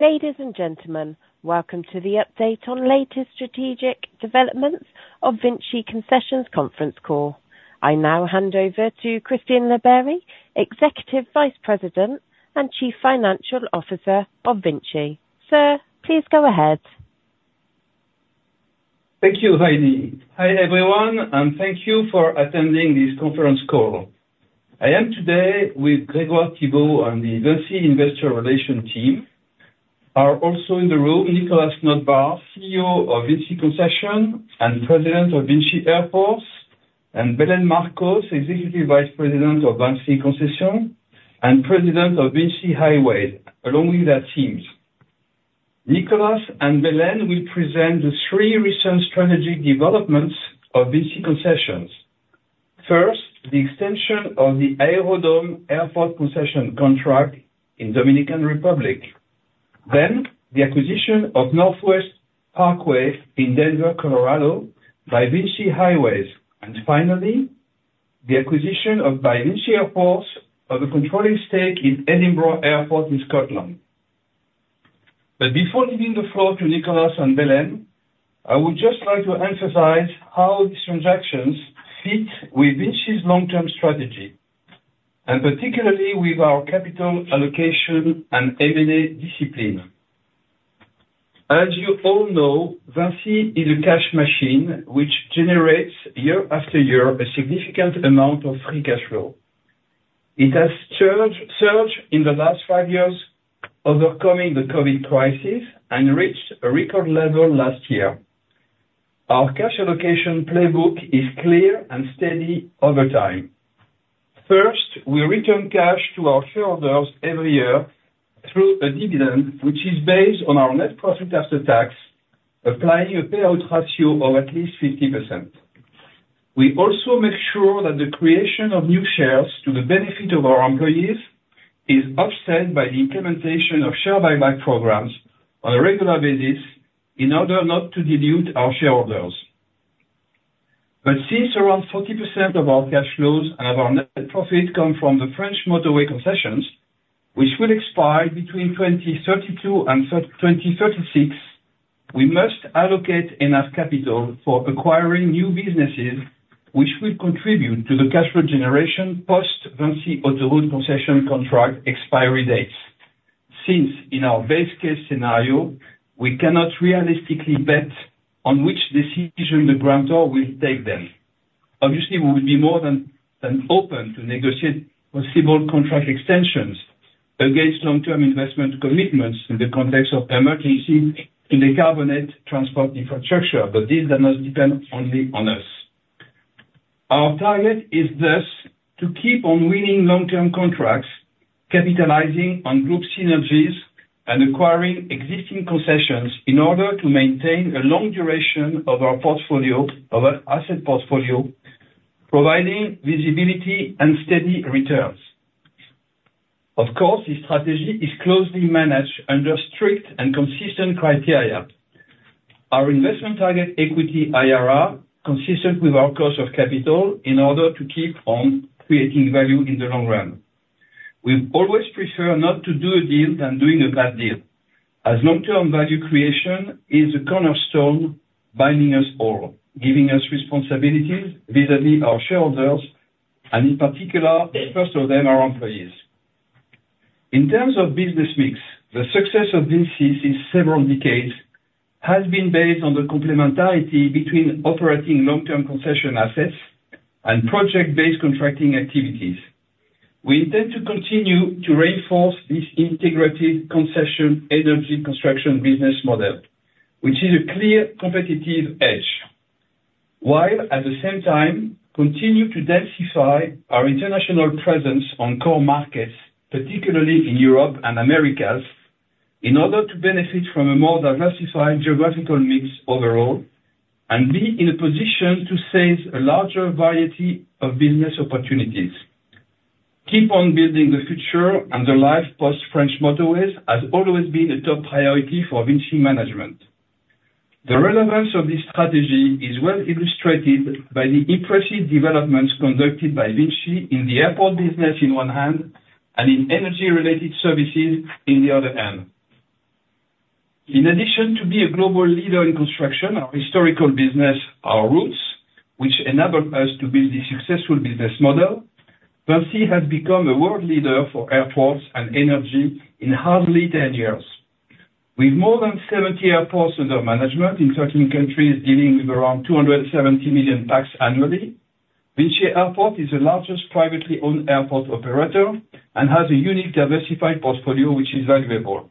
Ladies and gentlemen, welcome to the update on latest strategic developments of VINCI Concessions Conference Call. I now hand over to Christian Labeyrie, Executive Vice President and Chief Financial Officer of VINCI. Sir, please go ahead. Thank you, Jaime Martí. Hi everyone, and thank you for attending this conference call. I am today with Grégoire Thibault on the VINCI Investor Relations team. We are also in the room Nicolas Notebaert, CEO of VINCI Concessions and President of VINCI Airports, and Belén Marcos, Executive Vice President of VINCI Concessions and President of VINCI Highways, along with their teams. Nicolas and Belén will present the three recent strategic developments of VINCI Concessions. First, the extension of the Aerodom Airport Concession contract in the Dominican Republic. Then, the acquisition of Northwest Parkway in Denver, Colorado, by VINCI Highways. And finally, the acquisition by VINCI Airports of a controlling stake in Edinburgh Airport in Scotland. But before leaving the floor to Nicolas and Belén, I would just like to emphasize how these transactions fit with VINCI's long-term strategy, and particularly with our capital allocation and M&A discipline. As you all know, VINCI is a cash machine which generates year after year a significant amount of free cash flow. It has surged in the last five years, overcoming the COVID crisis, and reached a record level last year. Our cash allocation playbook is clear and steady over time. First, we return cash to our shareholders every year through a dividend which is based on our net profit after tax, applying a payout ratio of at least 50%. We also make sure that the creation of new shares to the benefit of our employees is offset by the implementation of share buyback programs on a regular basis in order not to dilute our shareholders. But since around 40% of our cash flows and of our net profit come from the French motorway concessions, which will expire between 2032 and 2036, we must allocate enough capital for acquiring new businesses which would contribute to the cash flow generation post-VINCI Autoroutes concession contract expiry dates, since in our base case scenario, we cannot realistically bet on which decision the grantor will take them. Obviously, we would be more than open to negotiate possible contract extensions against long-term investment commitments in the context of emergency in decarbonization transport infrastructure, but this does not depend only on us. Our target is thus to keep on winning long-term contracts, capitalizing on group synergies, and acquiring existing concessions in order to maintain a long duration of our asset portfolio, providing visibility and steady returns. Of course, this strategy is closely managed under strict and consistent criteria. Our investment target equity IRR consistent with our cost of capital in order to keep on creating value in the long run. We always prefer not to do a deal than doing a bad deal, as long-term value creation is the cornerstone binding us all, giving us responsibilities vis-à-vis our shareholders, and in particular, the first of them are employees. In terms of business mix, the success of VINCI's in several decades has been based on the complementarity between operating long-term concession assets and project-based contracting activities. We intend to continue to reinforce this integrated concession energy construction business model, which is a clear competitive edge, while, at the same time, continue to densify our international presence on core markets, particularly in Europe and Americas, in order to benefit from a more diversified geographical mix overall and be in a position to sense a larger variety of business opportunities. Keep on building the future and the life post-French motorways has always been a top priority for VINCI management. The relevance of this strategy is well illustrated by the impressive developments conducted by VINCI in the airport business on one hand and in energy-related services on the other hand. In addition to being a global leader in construction, our historical business, our roots, which enabled us to build this successful business model, VINCI has become a world leader for airports and energy in hardly 10 years. With more than 70 airports under management in 13 countries dealing with around 270 million pax annually, VINCI Airports is the largest privately owned airport operator and has a unique diversified portfolio which is valuable.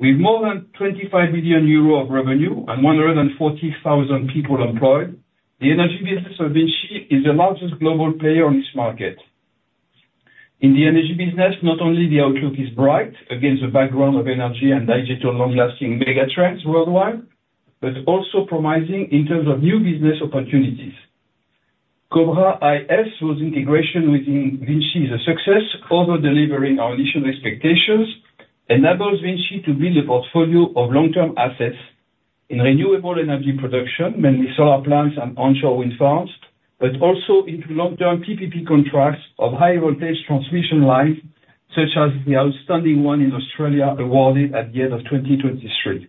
With more than 25 billion euros of revenue and 140,000 people employed, the energy business of VINCI is the largest global player on its market. In the energy business, not only is the outlook bright against the background of energy and digital long-lasting megatrends worldwide, but also promising in terms of new business opportunities. Cobra IS's integration within VINCI is a success. Over-delivering our initial expectations enables VINCI to build a portfolio of long-term assets in renewable energy production, mainly solar plants and onshore wind farms, but also into long-term PPP contracts of high-voltage transmission lines, such as the outstanding one in Australia awarded at the end of 2023.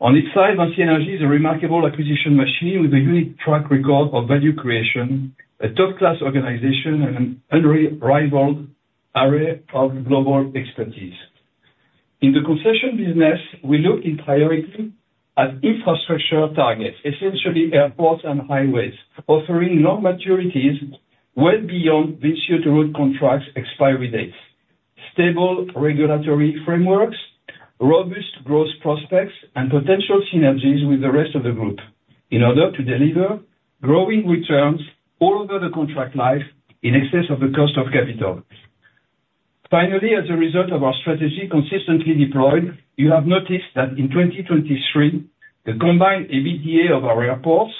On its side, VINCI Energies is a remarkable acquisition machine with a unique track record of value creation, a top-class organization, and an unrivaled array of global expertise. In the concession business, we look in priority at infrastructure targets, essentially airports and highways, offering long maturities well beyond VINCI Autoroutes contracts' expiry dates, stable regulatory frameworks, robust growth prospects, and potential synergies with the rest of the group in order to deliver growing returns all over the contract life in excess of the cost of capital. Finally, as a result of our strategy consistently deployed, you have noticed that in 2023, the combined EBITDA of our airports,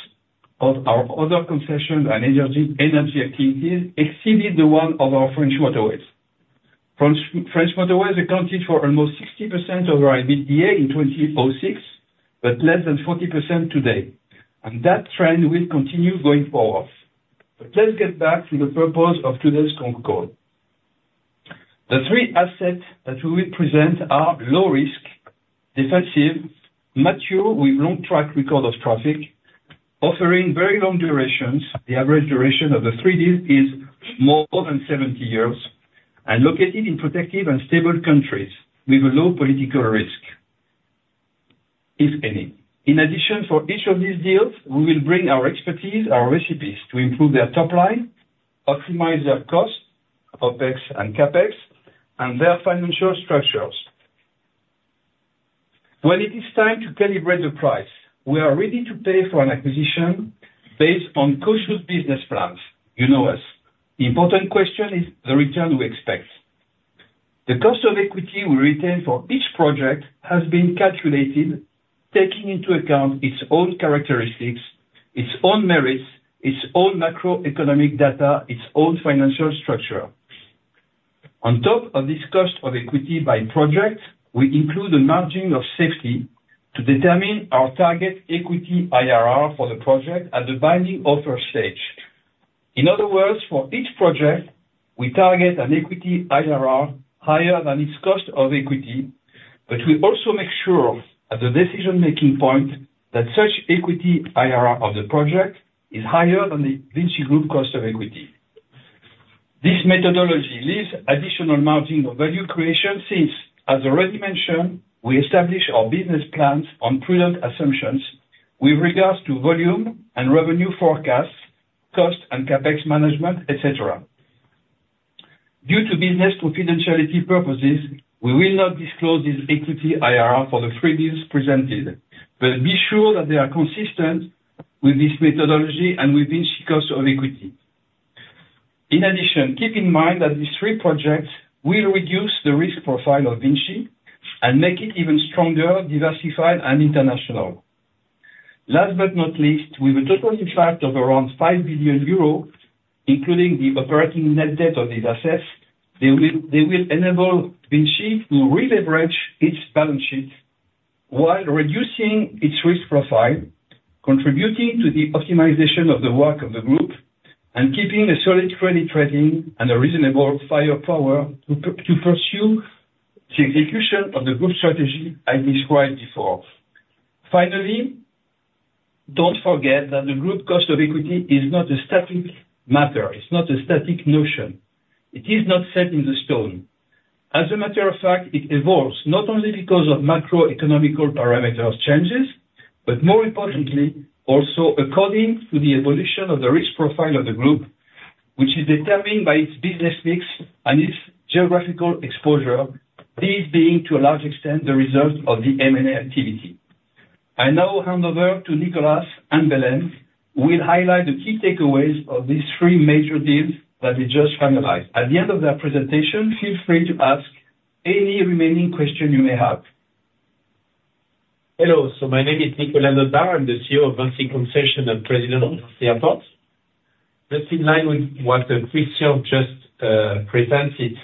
of our other concession and energy activities, exceeded the one of our French motorways. French motorways accounted for almost 60% of our EBITDA in 2006, but less than 40% today. That trend will continue going forward. Let's get back to the purpose of today's conference call. The three assets that we will present are low-risk, defensive, mature with long track record of traffic, offering very long durations, the average duration of a three-deal is more than 70 years, and located in protective and stable countries with a low political risk, if any. In addition, for each of these deals, we will bring our expertise, our recipes to improve their top line, optimize their costs, OpEx and CapEx, and their financial structures. When it is time to calibrate the price, we are ready to pay for an acquisition based on cautious business plans. You know us. The important question is the return we expect. The cost of equity we retain for each project has been calculated, taking into account its own characteristics, its own merits, its own macroeconomic data, its own financial structure. On top of this cost of equity by project, we include a margin of safety to determine our target equity IRR for the project at the binding offer stage. In other words, for each project, we target an equity IRR higher than its cost of equity, but we also make sure at the decision-making point that such equity IRR of the project is higher than the VINCI Group cost of equity. This methodology leaves additional margin of value creation since, as already mentioned, we establish our business plans on prudent assumptions with regards to volume and revenue forecasts, cost and CapEx management, etc. Due to business confidentiality purposes, we will not disclose this equity IRR for the three deals presented, but be sure that they are consistent with this methodology and with VINCI cost of equity. In addition, keep in mind that these three projects will reduce the risk profile of VINCI and make it even stronger, diversified, and international. Last but not least, with a total effect of around 5 billion euro, including the operating net debt of these assets, they will enable VINCI to re-leverage its balance sheet while reducing its risk profile, contributing to the optimization of the work of the group, and keeping a solid credit rating and a reasonable firepower to pursue the execution of the group strategy I described before. Finally, don't forget that the group cost of equity is not a static matter. It's not a static notion. It is not set in stone. As a matter of fact, it evolves not only because of macroeconomic parameters changes, but more importantly, also according to the evolution of the risk profile of the group, which is determined by its business mix and its geographical exposure, these being to a large extent the results of the M&A activity. I now hand over to Nicolas and Belén, who will highlight the key takeaways of these three major deals that they just finalized. At the end of their presentation, feel free to ask any remaining question you may have. Hello. So my name is Nicolas Notebaert, I'm the CEO of VINCI Concessions and President of VINCI Airports. That's in line with what Christian just presented.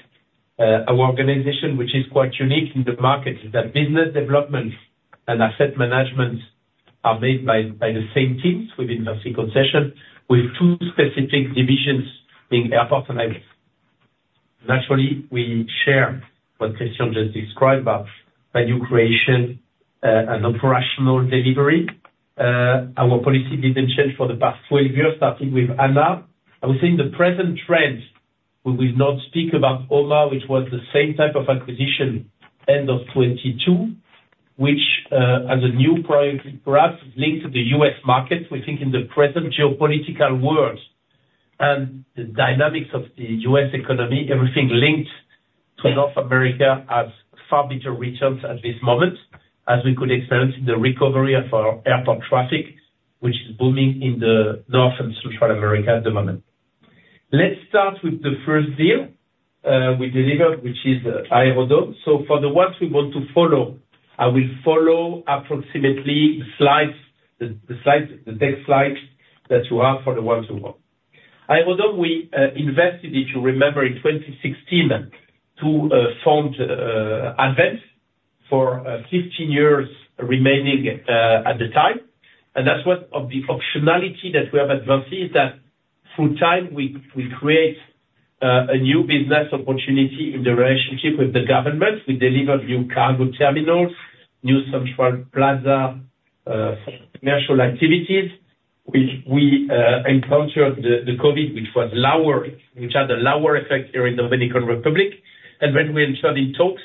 Our organization, which is quite unique in the market, is that business development and asset management are made by the same teams within VINCI Concessions, with two specific divisions in airports and land. Naturally, we share what Christian just described about value creation and operational delivery. Our policy didn't change for the past 12 years, starting with ANA. I would say in the present trend, we will not speak about OMA, which was the same type of acquisition end of 2022, which has a new product graph linked to the U.S. market, we think, in the present geopolitical world and the dynamics of the U.S. economy, everything linked to North America has far better returns at this moment, as we could experience in the recovery of our airport traffic, which is booming in North and Central America at the moment. Let's start with the first deal we delivered, which is Aerodom. So for the ones we want to follow, I will follow approximately the slides, the text slides that you have for the ones we want. Aerodom, we invested in, if you remember, in 2016 to fund Advent for 15 years remaining at the time. That's one of the optionalities that we have advanced is that through time, we create a new business opportunity in the relationship with the government. We deliver new cargo terminals, new central plaza commercial activities. We encountered the COVID, which had a lower effect here in the Dominican Republic, and then we're having talks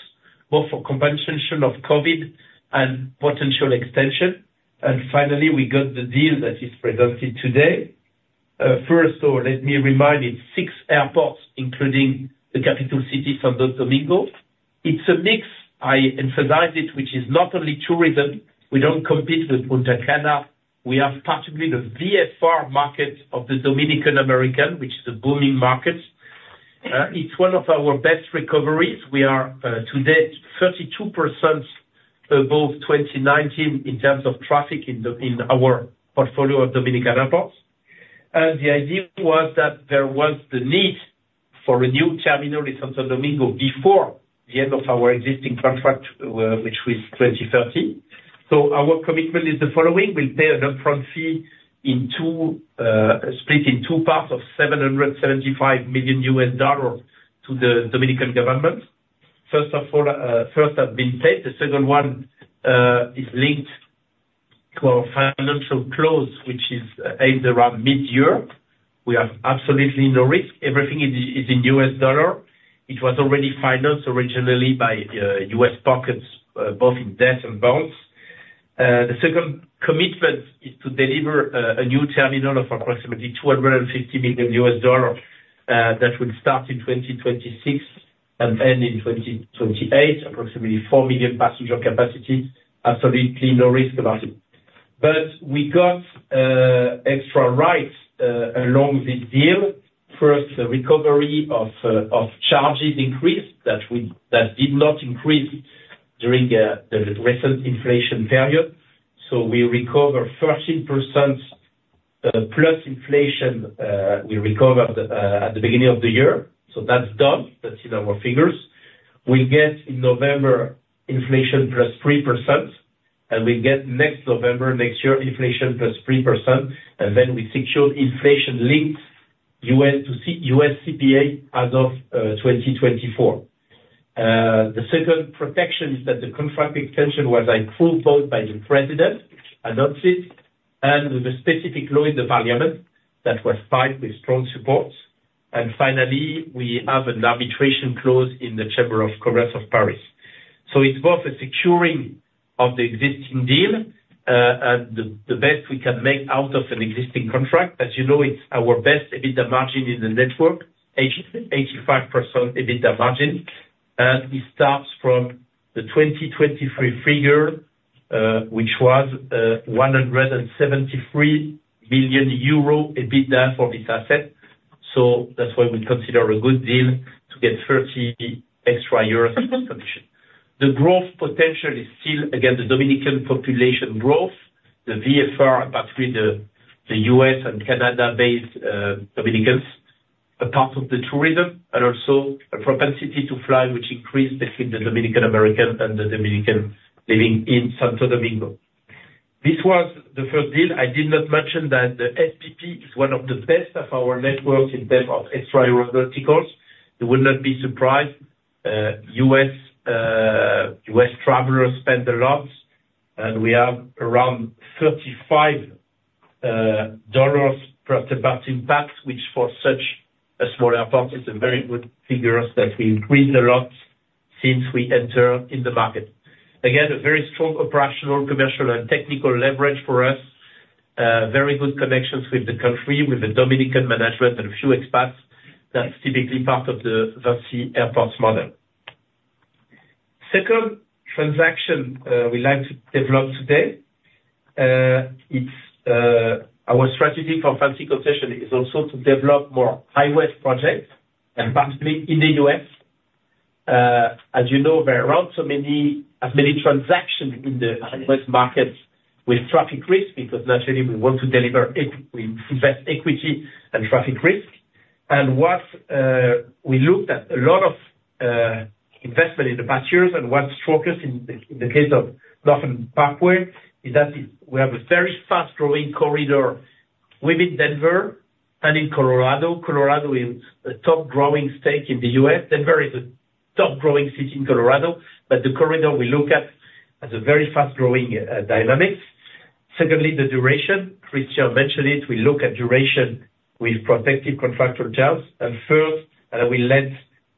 both for compensation of COVID and potential extension. And finally, we got the deal that is presented today. First, let me remind you, six airports, including the capital city, Santo Domingo. It's a mix, I emphasized it, which is not only tourism. We don't compete with Punta Cana. We have part of the VFR market of the Dominican American, which is a booming market. It's one of our best recoveries. We are to date 32% above 2019 in terms of traffic in our portfolio of Dominican airports. The idea was that there was the need for a new terminal in Santo Domingo before the end of our existing contract, which was 2030. So our commitment is the following: we pay an upfront fee split in two parts of $775 million to the Dominican government. First of all, first has been paid. The second one is linked to our financial close, which is aimed around mid-2024. We have absolutely no risk. Everything is in U.S. dollar. It was already financed originally by U.S. banks, both in debt and bonds. The second commitment is to deliver a new terminal of approximately $250 million that will start in 2026 and end in 2028, approximately 4 million passenger capacity. Absolutely no risk about it. But we got extra rights along this deal. First, the recovery of charges increased that did not increase during the recent inflation period. So we recover 13%+ inflation we recovered at the beginning of the year. So that's done. That's in our fingers. We'll get in November inflation +3%, and we'll get next November, next year inflation +3%. And then we secured inflation-linked U.S. CPI as of 2024. The second protection is that the contract extension was fully approved by the president, adopted it, and with a specific law in the parliament that was filed with strong support. And finally, we have an arbitration clause in the Chamber of Commerce of Paris. So it's both a securing of the existing deal and the best we can make out of an existing contract. As you know, it's our best EBITDA margin in the network, 85% EBITDA margin. And it starts from the 2023 figure, which was 173 million euro EBITDA for this asset. So that's why we consider a good deal to get 30 euros extra in commission. The growth potential is still, again, the Dominican population growth, the VFR, particularly the U.S. and Canada-based Dominicans, a part of the tourism, and also a propensity to fly, which increased between the Dominican American and the Dominican living in Santo Domingo. This was the first deal. I did not mention that the PPP is one of the best of our networks in terms of extra euro verticals. You would not be surprised. U.S. travelers spend a lot. And we have around $35 per departing pax, which for such a small airport is a very good figure that we increased a lot since we entered in the market. Again, a very strong operational, commercial, and technical leverage for us, very good connections with the country, with the Dominican management, and a few expats. That's typically part of the VINCI Airports model. Second transaction we like to develop today, our strategy for VINCI Concessions is also to develop more highway projects, and particularly in the U.S. As you know, there are not as many transactions in the highway markets with traffic risk because naturally, we want to deliver equity and traffic risk. And what we looked at a lot of investment in the past years and what struck us in the case of Northwest Parkway is that we have a very fast-growing corridor within Denver and in Colorado. Colorado is a top-growing state in the U.S. Denver is a top-growing city in Colorado, but the corridor we look at has a very fast-growing dynamic. Secondly, the duration. Christian mentioned it. We look at duration with protective contractual terms. And first, and we let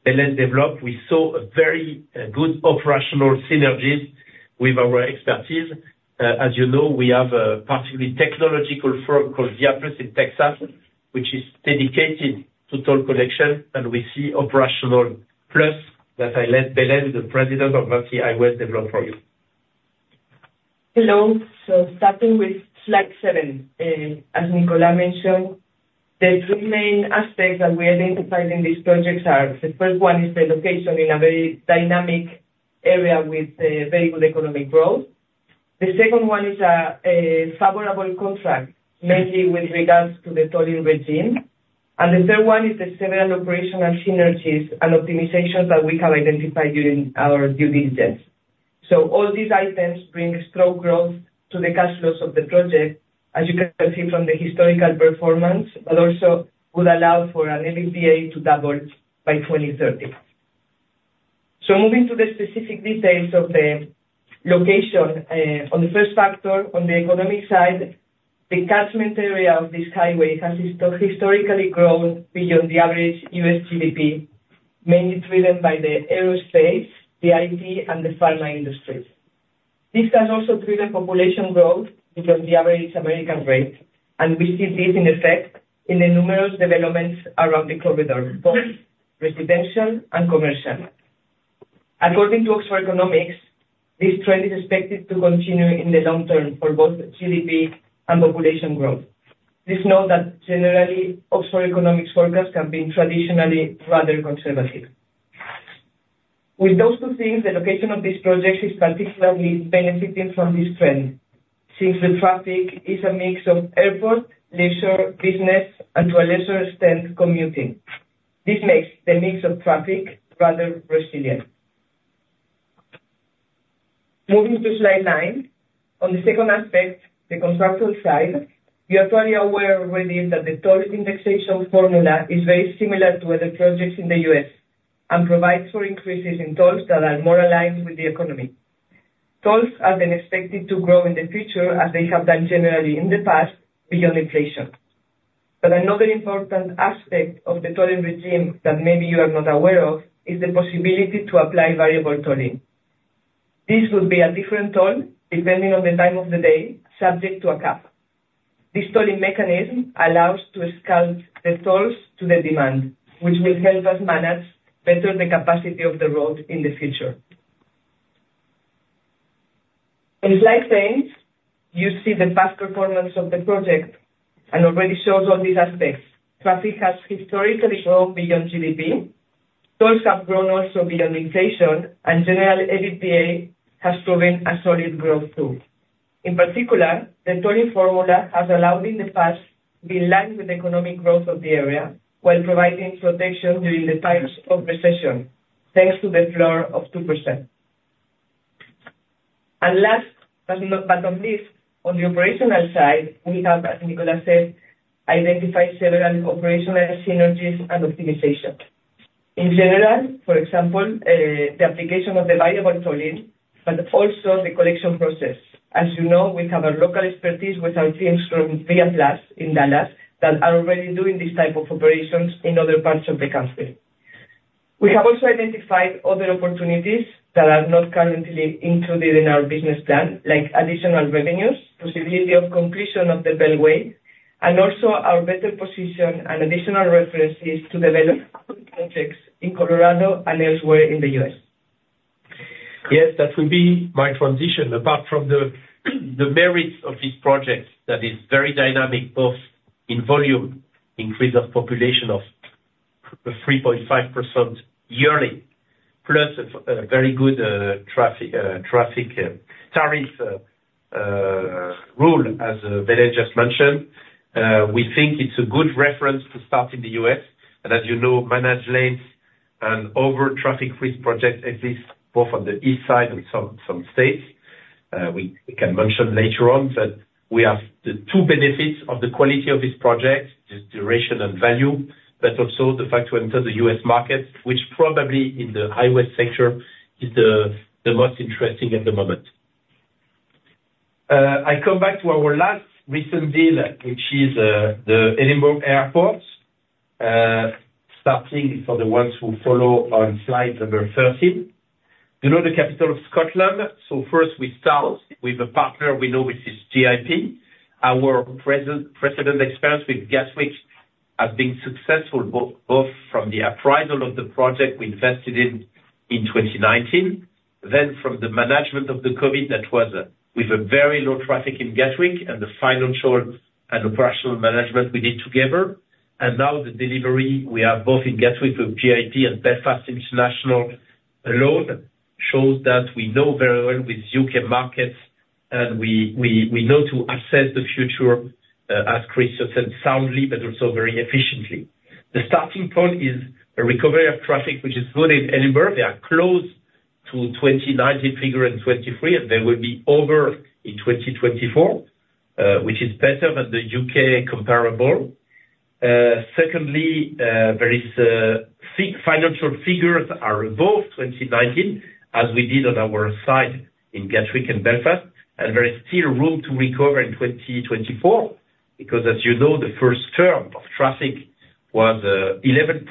Belén develop, we saw very good operational synergies with our expertise. As you know, we have a particularly technological firm called ViaPlus in Texas, which is dedicated to toll collection. And we see operational plus that I let Belén, the president of VINCI, I will develop for you. Hello. So starting with slide 7, as Nicolas mentioned, the three main aspects that we identified in these projects are the first one is the location in a very dynamic area with very good economic growth. The second one is a favorable contract, mainly with regards to the tolling regime. And the third one is the several operational synergies and optimizations that we have identified during our due diligence. So all these items bring strong growth to the cash flows of the project, as you can see from the historical performance, but also would allow for an MSDA to double by 2030. So moving to the specific details of the location, on the first factor, on the economic side, the catchment area of this highway has historically grown beyond the average U.S. GDP, mainly driven by the aerospace, the IT, and the pharma industry. This has also driven population growth beyond the average American rate, and we see this, in effect, in the numerous developments around the corridor, both residential and commercial. According to Oxford Economics, this trend is expected to continue in the long term for both GDP and population growth. Please note that generally, Oxford Economics forecasts have been traditionally rather conservative. With those two things, the location of these projects is particularly benefiting from this trend since the traffic is a mix of airport, leisure business, and to a leisure extent, commuting. This makes the mix of traffic rather resilient. Moving to slide 9, on the second aspect, the contractual side, you are probably aware already that the toll indexation formula is very similar to other projects in the U.S. and provides for increases in tolls that are more aligned with the economy. Tolls have been expected to grow in the future as they have done generally in the past beyond inflation. But another important aspect of the tolling regime that maybe you are not aware of is the possibility to apply variable tolling. This would be a different toll depending on the time of the day, subject to a cap. This tolling mechanism allows us to scale the tolls to the demand, which will help us manage better the capacity of the road in the future. In slide 10, you see the past performance of the project and already shows all these aspects. Traffic has historically grown beyond GDP. Tolls have grown also beyond inflation, and general EBITDA has proven a solid growth too. In particular, the tolling formula has allowed in the past to be aligned with the economic growth of the area while providing protection during the times of recession, thanks to the floor of 2%. And last, but not part of this, on the operational side, we have, as Nicolas said, identified several operational synergies and optimizations. In general, for example, the application of the variable tolling, but also the collection process. As you know, we have our local expertise with our teams from ViaPlus in Dallas that are already doing these types of operations in other parts of the country. We have also identified other opportunities that are not currently included in our business plan, like additional revenues, possibility of completion of the beltway, and also our better position and additional references to develop projects in Colorado and elsewhere in the U.S. Yes, that will be my transition. Apart from the merits of this project that is very dynamic, both in volume, increase of population of 3.5% yearly, plus a very good traffic tariff rule, as Belén just mentioned, we think it's a good reference to start in the U.S. And as you know, managed lanes and over-traffic risk projects exist both on the east side and some states. We can mention later on that we have the two benefits of the quality of this project, duration and value, but also the fact to enter the U.S. market, which probably in the highway sector is the most interesting at the moment. I come back to our last recent deal, which is the Edinburgh Airports, starting for the ones who follow on slide number 13. You know the capital of Scotland. So first, we start with a partner we know, which is GIP. Our previous experience with Gatwick has been successful, both from the upside of the project we invested in in 2019, then from the management of the COVID that was with a very low traffic in Gatwick and the financial and operational management we did together. Now the delivery we have both in Gatwick with GIP and Advent International alone shows that we know very well the UK markets and we know to assess the future, as Christian said, soundly, but also very efficiently. The starting point is a recovery of traffic, which is good in Edinburgh. They are close to 2019 figure and 2023, and they will be over in 2024, which is better than the UK comparable. Secondly, financial figures are above 2019, as we did on our side in Gatwick and Belfast. There is still room to recover in 2024 because, as you know, the first term of traffic was 11%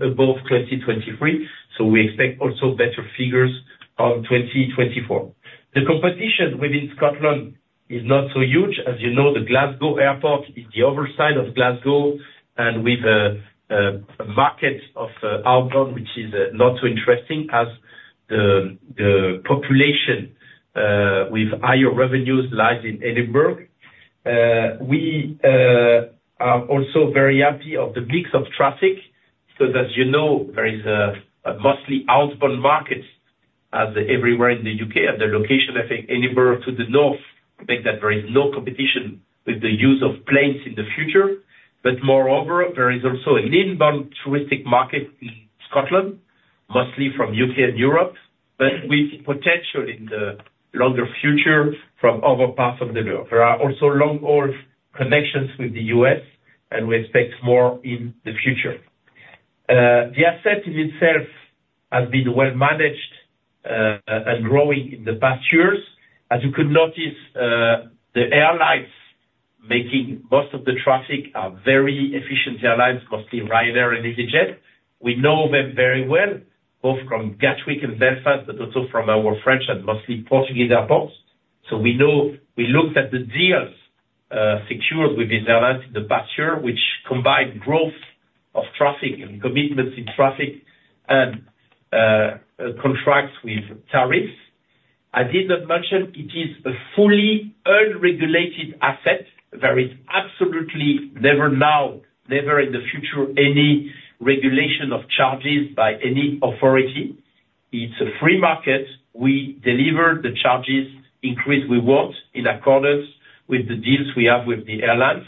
above 2023. So we expect also better figures on 2024. The competition within Scotland is not so huge. As you know, the Glasgow Airport is the other side of Glasgow and with a market of urban, which is not so interesting as the population with higher revenues lies in Edinburgh. We are also very happy of the mix of traffic because, as you know, there is a mostly outbound market as everywhere in the UK and the location, I think, Edinburgh to the north makes that there is no competition with the use of planes in the future. But moreover, there is also an inbound touristic market in Scotland, mostly from the UK and Europe, but with potential in the longer future from other parts of the world. There are also long-haul connections with the U.S., and we expect more in the future. The asset in itself has been well managed and growing in the past years. As you could notice, the airlines making most of the traffic are very efficient airlines, mostly Ryanair and easyJet. We know them very well, both from Gatwick and Belfast, but also from our French and mostly Portuguese airports. So we know we looked at the deals secured with these airlines in the past year, which combined growth of traffic and commitments in traffic and contracts with tariffs. I did not mention it is a fully unregulated asset. There is absolutely never now, never in the future, any regulation of charges by any authority. It's a free market. We deliver the charges, increase rewards in accordance with the deals we have with the airlines.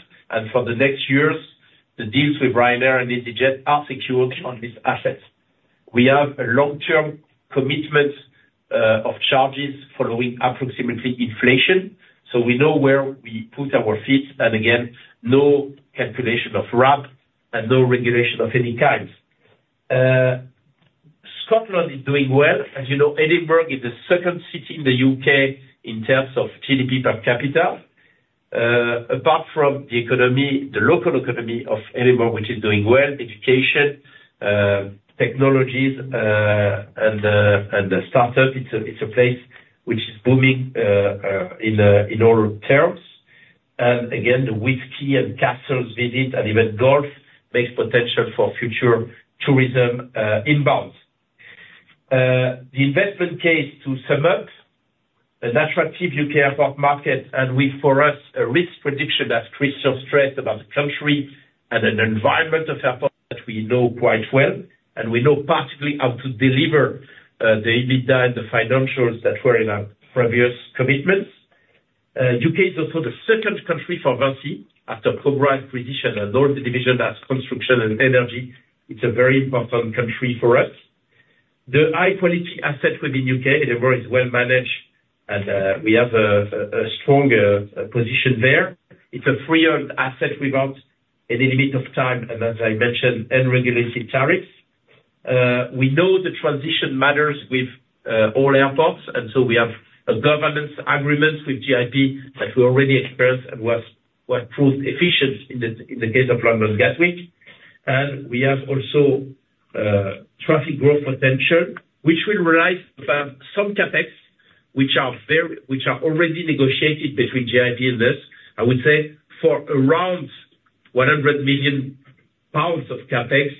For the next years, the deals with Ryanair and easyJet are secured on this asset. We have a long-term commitment of charges following approximately inflation. So we know where we put our feet. And again, no calculation of RAB and no regulation of any kind. Scotland is doing well. As you know, Edinburgh is the second city in the U.K. in terms of GDP per capita. Apart from the economy, the local economy of Edinburgh, which is doing well, education, technologies, and startups, it's a place which is booming in all terms. And again, the whiskey and castles visit and even golf makes potential for future tourism inbound. The investment case to sum up, an attractive U.K. airport market and with, for us, a risk prediction that Christian stressed about the country and an environment of airport that we know quite well. We know particularly how to deliver the EBITDA and the financials that were in our previous commitments. The UK is also the second country for VINCI after France, precisely, and all the divisions as construction and energy. It's a very important country for us. The high-quality asset within the UK, Edinburgh, is well managed, and we have a strong position there. It's a 30-year asset without any limit of time and, as I mentioned, unregulated tariffs. We know the transition matters with all airports. So we have governance agreements with GIP that we already experienced and were proved efficient in the case of London Gatwick. We have also traffic growth potential, which will rise to have some CapEx, which are already negotiated between GIP and us. I would say for around 100 million pounds of CapEx,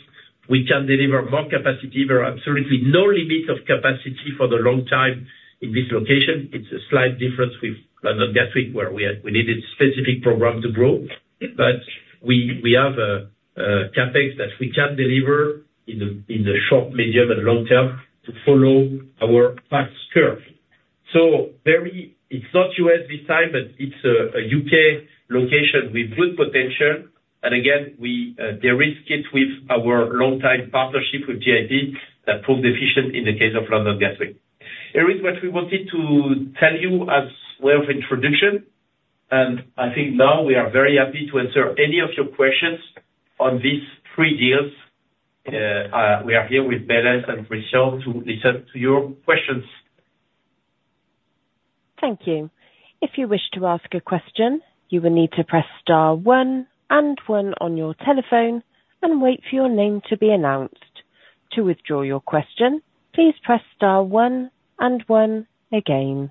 we can deliver more capacity. There are absolutely no limits of capacity for the long time in this location. It's a slight difference with London Gatwick where we needed a specific program to grow. But we have a CapEx that we can deliver in the short, medium, and long term to follow our past curve. So it's not U.S. this time, but it's a U.K. location with good potential. And again, we derisk it with our long-time partnership with GIP that proved efficient in the case of London Gatwick. That is, what we wanted to tell you as way of introduction, and I think now we are very happy to answer any of your questions on these three deals. We are here with Belén and Christian to listen to your questions. Thank you. If you wish to ask a question, you will need to press star one and one on your telephone and wait for your name to be announced. To withdraw your question, please press star one and one again.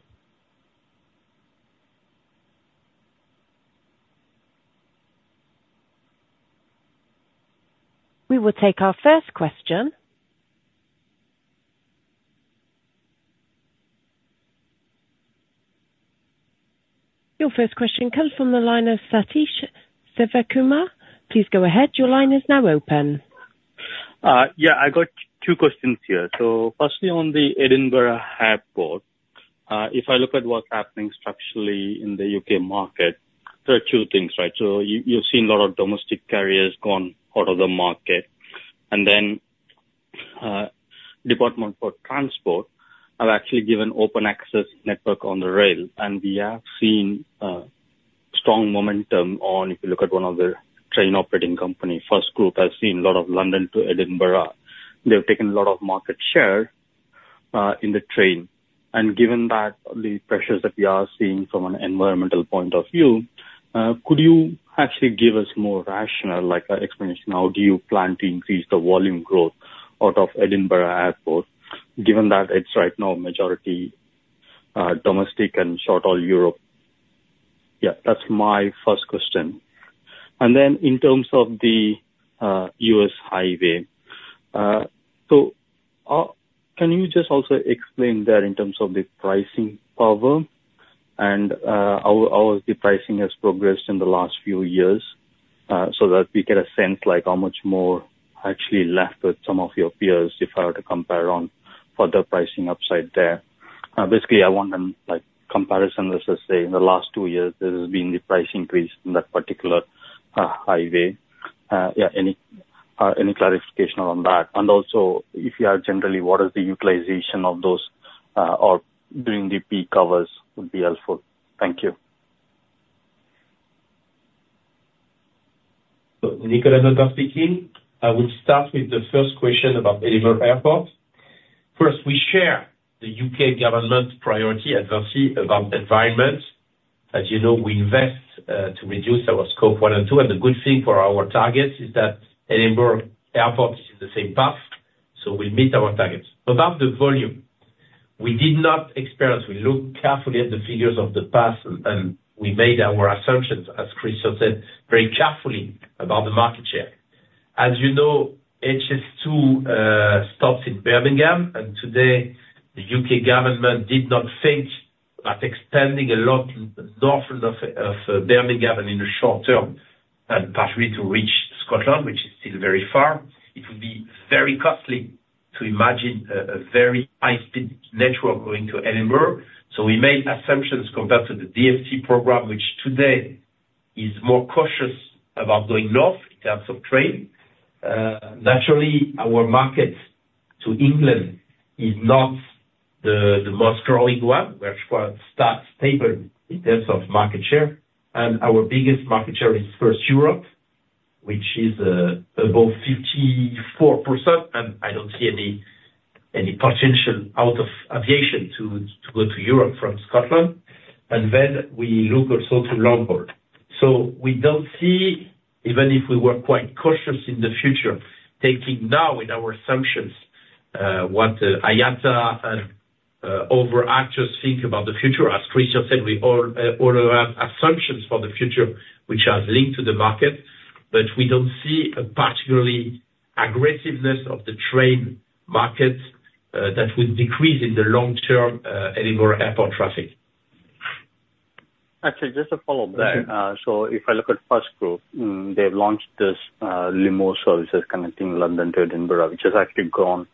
We will take our first question. Your first question comes from the line of Satish Devekumar. Please go ahead. Your line is now open. Yeah, I got two questions here. So firstly, on the Edinburgh Airport, if I look at what's happening structurally in the UK market, there are two things, right? So you've seen a lot of domestic carriers gone out of the market. And then Department for Transport have actually given open access network on the rail. And we have seen strong momentum on, if you look at one of their train operating companies, FirstGroup, has seen a lot of London to Edinburgh. They've taken a lot of market share in the train. And given that, the pressures that we are seeing from an environmental point of view, could you actually give us more rational explanation? How do you plan to increase the volume growth out of Edinburgh Airport, given that it's right now majority domestic and short all Europe? Yeah, that's my first question. Then in terms of the U.S. highway, so can you just also explain there in terms of the pricing power and how the pricing has progressed in the last few years so that we get a sense how much more actually left with some of your peers if I were to compare on for the pricing upside there? Basically, I want a comparison versus say in the last two years, there has been the price increase in that particular highway. Yeah, any clarification on that? Also, if you are generally, what is the utilization of those or during the peak hours would be helpful? Thank you. So Nicolas Notebaert speaking, I will start with the first question about Edinburgh Airport. First, we share the U.K. government priority at VINCI about environment. As you know, we invest to reduce our scope one and two. And the good thing for our targets is that Edinburgh Airport is in the same path. So we'll meet our targets. But about the volume, we did not experience. We looked carefully at the figures of the past and we made our assumptions, as Christian said, very carefully about the market share. As you know, HS2 starts in Birmingham. And today, the U.K. government did not think that expanding a lot north of Birmingham and in the short term and partly to reach Scotland, which is still very far, it would be very costly to imagine a very high-speed network going to Edinburgh. So we made assumptions compared to the DfT program, which today is more cautious about going north in terms of train. Naturally, our market to England is not the most growing one, which stays stable in terms of market share. And our biggest market share is for Europe, which is above 54%. And I don't see any potential outside of aviation to go to Europe from Scotland. And then we look also to London. So we don't see, even if we were quite cautious in the future, taking now in our assumptions what IATA and forecasters think about the future. As Christian said, we all have assumptions for the future, which are linked to the market. But we don't see a particular aggressiveness of the train market that would decrease in the long-term Edinburgh Airport traffic. Actually, just a follow-up there. So if I look at FirstGroup, they've launched this Lumo services connecting London to Edinburgh, which has actually grown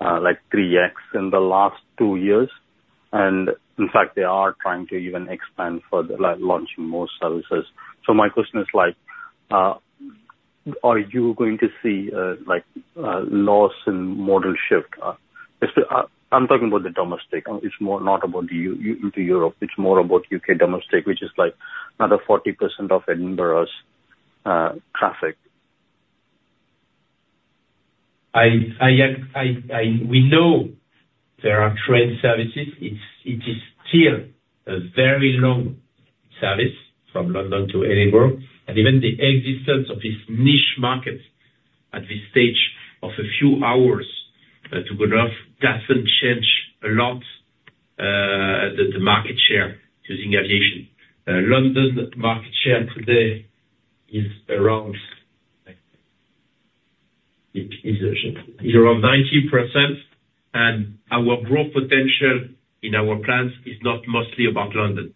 like 3X in the last two years. And in fact, they are trying to even expand further, launching more services. So my question is like, are you going to see loss in modal shift? I'm talking about the domestic. It's not about the into Europe. It's more about UK domestic, which is like another 40% of Edinburgh's traffic. We know there are train services. It is still a very long service from London to Edinburgh. Even the existence of this niche market at this stage of a few hours to go north doesn't change a lot the market share using aviation. London market share today is around 90%. Our growth potential in our plans is not mostly about London.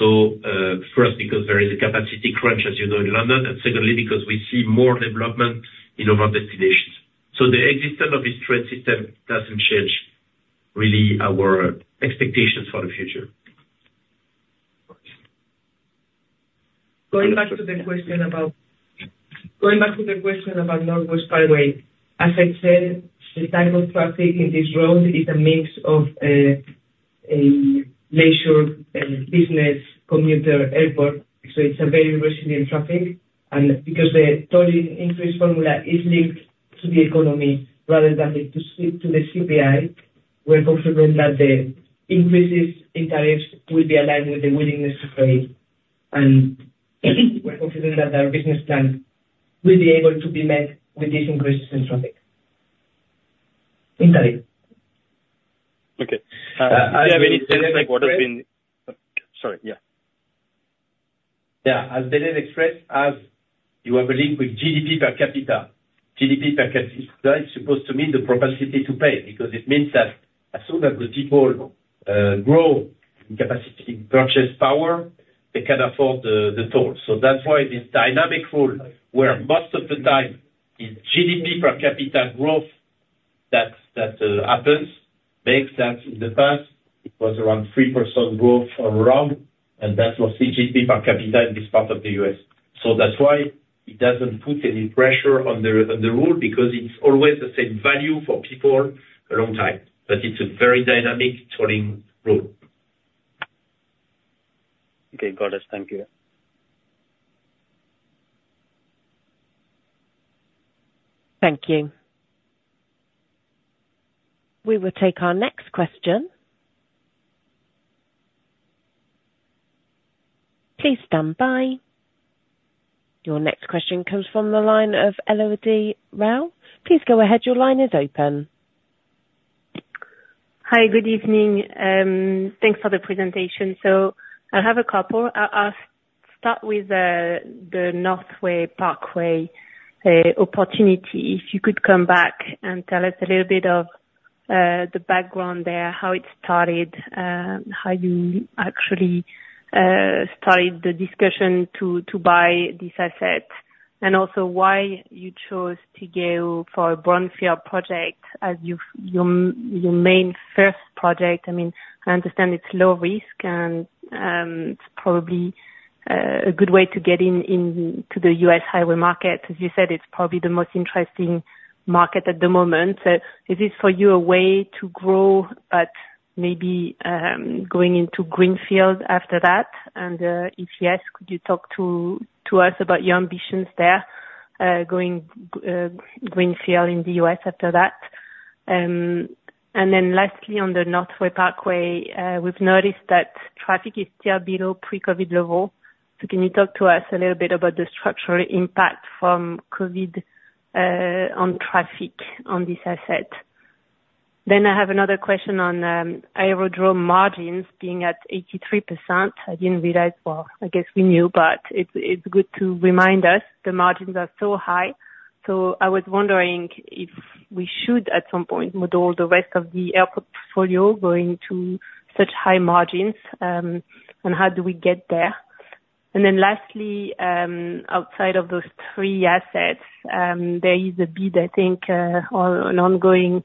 First, because there is a capacity crunch, as you know, in London. Secondly, because we see more development in our destinations. The existence of this train system doesn't change really our expectations for the future. Going back to the question about going back to the question about Northwest Parkway. As I said, Chicago's traffic in this road is a mix of a leisure and business commuter airport. So it's a very resilient traffic. And because the toll increase formula is linked to the economy rather than to the CPI, we're confident that the increases in tariffs will be aligned with the willingness to trade. And we're confident that our business plan will be able to be met with this increase in traffic. In tariff. Okay. Do you have anything like what has been? Sorry, yeah. Yeah, as Belén expressed, as you are believing with GDP per capita, GDP per capita is supposed to mean the propensity to pay because it means that as soon as the people grow in capacity to purchase power, they can afford the toll. So that's why this dynamic rule where most of the time is GDP per capita growth that happens. Make sense in the past, it was around 3% growth all around. And that was GDP per capita in this part of the U.S. So that's why it doesn't put any pressure on the rule because it's always the same value for people a long time. But it's a very dynamic tolling rule. Okay, Got it, thank you. Thank you. We will take our next question. Please stand by. Your next question comes from the line of Elodie Rall. Please go ahead. Your line is open. Hi, good evening. Thanks for the presentation. So I'll have a couple. I'll start with the Northwest Parkway opportunity. If you could come back and tell us a little bit of the background there, how it started, how you actually started the discussion to buy this asset, and also why you chose to go for a brownfield project as your main first project. I mean, I understand it's low risk and it's probably a good way to get into the U.S. highway market. As you said, it's probably the most interesting market at the moment. So is this for you a way to grow, but maybe going into greenfield after that? And if yes, could you talk to us about your ambitions there going greenfield in the U.S. after that? And then lastly, on the Northwest Parkway, we've noticed that traffic is still below pre-COVID level. So can you talk to us a little bit about the structural impact from COVID on traffic on this asset? Then I have another question on Aerodom margins being at 83%. I didn't realize, well, I guess we knew, but it's good to remind us the margins are so high. So I was wondering if we should at some point model the rest of the airport portfolio going into such high margins and how do we get there? And then lastly, outside of those three assets, there is a bid, I think, or an ongoing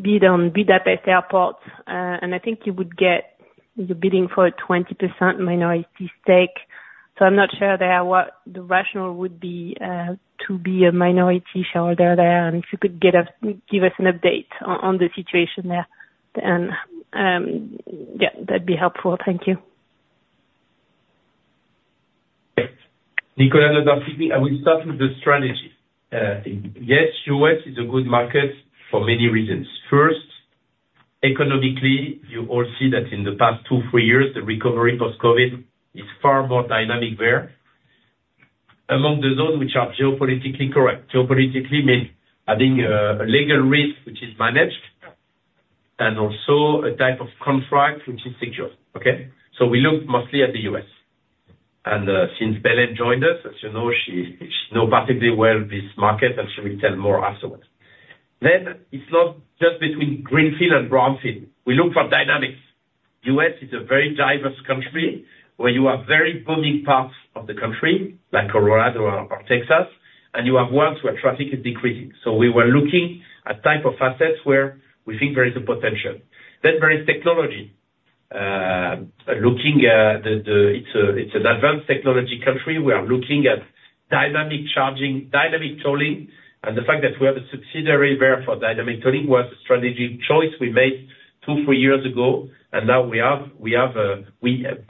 bid on Budapest Airport. And I think you would get the bidding for a 20% minority stake. So I'm not sure what the rationale would be to be a minority shareholder there. And if you could give us an update on the situation there. And yeah, that'd be helpful. Thank you. Nicolas Notebaert speaking, I will start with the strategy. Yes, U.S. is a good market for many reasons. First, economically, you all see that in the past 2-3 years, the recovery post-COVID is far more dynamic there. Among the zones, which are geopolitically correct. Geopolitically means having a legal risk, which is managed, and also a type of contract, which is secure. Okay? So we look mostly at the U.S. And since Belén joined us, as you know, she knows perfectly well this market and she will tell more afterwards. Then it's not just between greenfield and brownfield. We look for dynamics. U.S. is a very diverse country where you have very booming parts of the country, like Colorado or Texas, and you have ones where traffic is decreasing. So we were looking at type of assets where we think there is a potential. Then there is technology. It's an advanced technology country. We are looking at dynamic charging, dynamic tolling. The fact that we have a subsidiary there for dynamic tolling was a strategic choice we made 2-3 years ago. Now we have,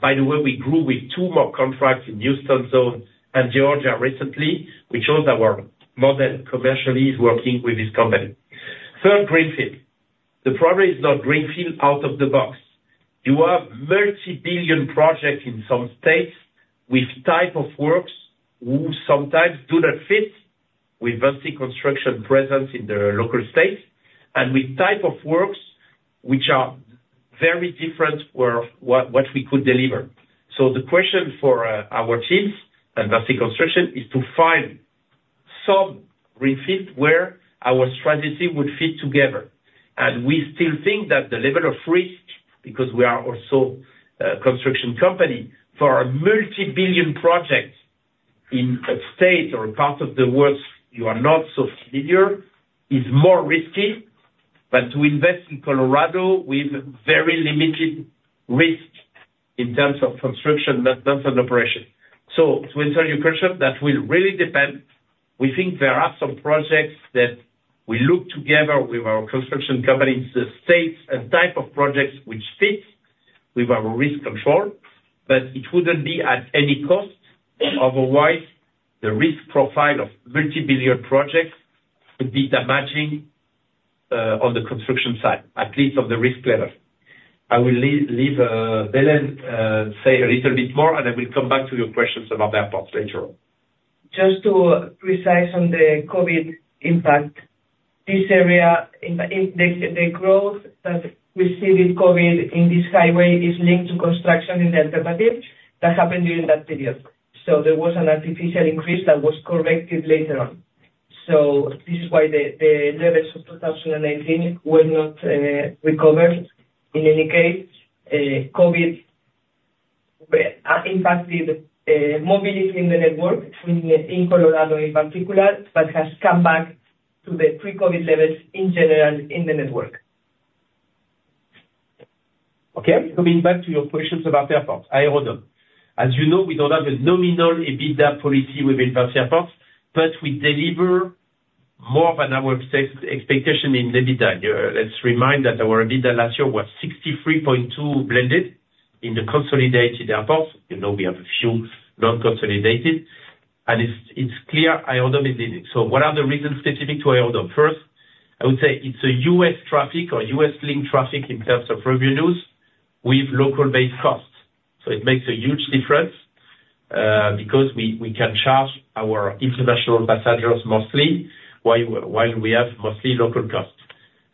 by the way, we grew with two more contracts in Houston Zone and Georgia recently, which shows our model commercially is working with this company. Third, greenfield. The problem is not greenfield out of the box. You have multi-billion projects in some states with type of works who sometimes do not fit with VINCI Construction presence in the local states and with type of works which are very different from what we could deliver. So the question for our teams and VINCI Construction is to find some greenfield where our strategy would fit together. We still think that the level of risk, because we are also a construction company, for a multi-billion project in a state or a part of the world you are not so familiar is more risky than to invest in Colorado with very limited risk in terms of construction, not non-funded operation. So to answer your question, that will really depend. We think there are some projects that we look together with our construction companies in the states and type of projects which fit with our risk control, but it wouldn't be at any cost. Otherwise, the risk profile of multi-billion projects would be damaging on the construction side, at least on the risk level. I will let Belén say a little bit more and I will come back to your questions about the airports later on. Just to be precise on the COVID impact, this area, the growth that preceded COVID in this highway is linked to construction in the alternative that happened during that period. So there was an artificial increase that was corrected later on. So this is why the levels of 2019 were not recovered in any case. COVID impacted mobility in the network in Colorado in particular, but has come back to the pre-COVID levels in general in the network. Okay. Coming back to your questions about airports, Aerodom. As you know, we don't have a nominal EBITDA policy within VINCI Airports, but we deliver more than our expectation in EBITDA. Let's remind that our EBITDA last year was 63.2 blended in the consolidated airports. You know, we have a few non-consolidated. And it's clear Aerodom is limited. So what are the reasons specific to Aerodom? First, I would say it's a U.S. traffic or US-linked traffic in terms of revenues with local-based costs. So it makes a huge difference because we can charge our international passengers mostly while we have mostly local costs.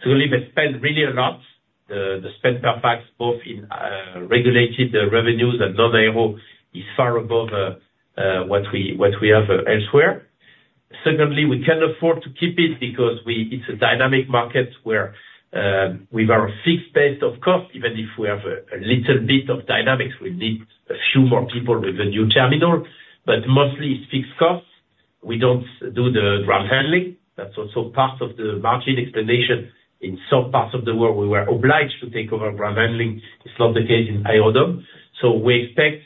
Truly, they spend really a lot. The spend per pax, both in regulated revenues and non-aero, is far above what we have elsewhere. Secondly, we can afford to keep it because it's a dynamic market where we have a fixed base of cost. Even if we have a little bit of dynamics, we need a few more people with the new terminal, but mostly it's fixed costs. We don't do the ground handling. That's also part of the margin explanation. In some parts of the world, we were obliged to take over ground handling. It's not the case in Aerodom. So we expect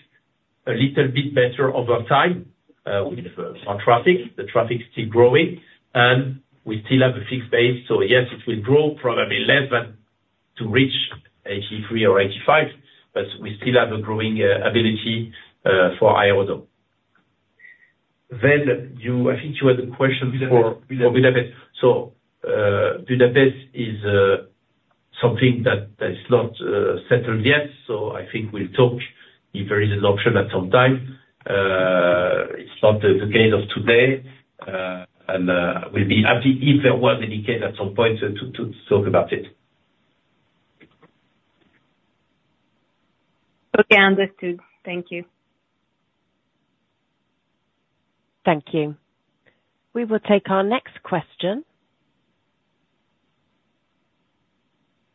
a little bit better over time for traffic. The traffic is still growing and we still have a fixed base. So yes, it will grow probably less than to reach 83 or 85, but we still have a growing ability for Aerodom. Then I think you had a question for Budapest. So Budapest is something that is not settled yet. So I think we'll talk if there is an option at some time. It's not the case of today. We'll be happy if there was any case at some point to talk about it. Okay, understood. Thank you. Thank you. We will take our next question.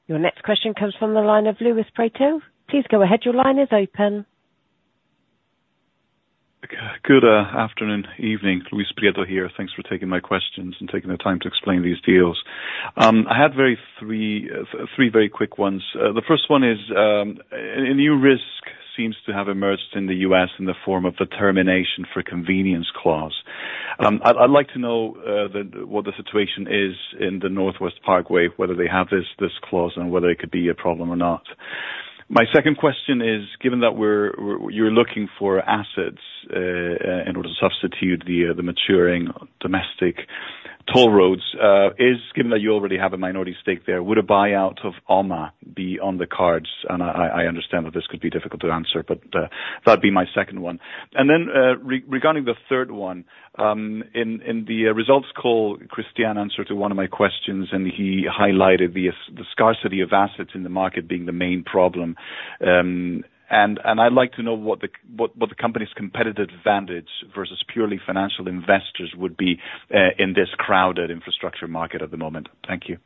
Your next question comes from the line of Luis Prieto. Please go ahead. Your line is open. Good afternoon, evening. Luis Prieto here. Thanks for taking my questions and taking the time to explain these deals. I had three very quick ones. The first one is a new risk seems to have emerged in the U.S. in the form of the termination for convenience clause. I'd like to know what the situation is in the Northwest Parkway, whether they have this clause and whether it could be a problem or not. My second question is, given that you're looking for assets in order to substitute the maturing domestic toll roads, given that you already have a minority stake there, would a buyout of OMA be on the cards? And I understand that this could be difficult to answer, but that'd be my second one. Then regarding the third one, in the results call, Christian answered to one of my questions and he highlighted the scarcity of assets in the market being the main problem. I'd like to know what the company's competitive advantage versus purely financial investors would be in this crowded infrastructure market at the moment. Thank you.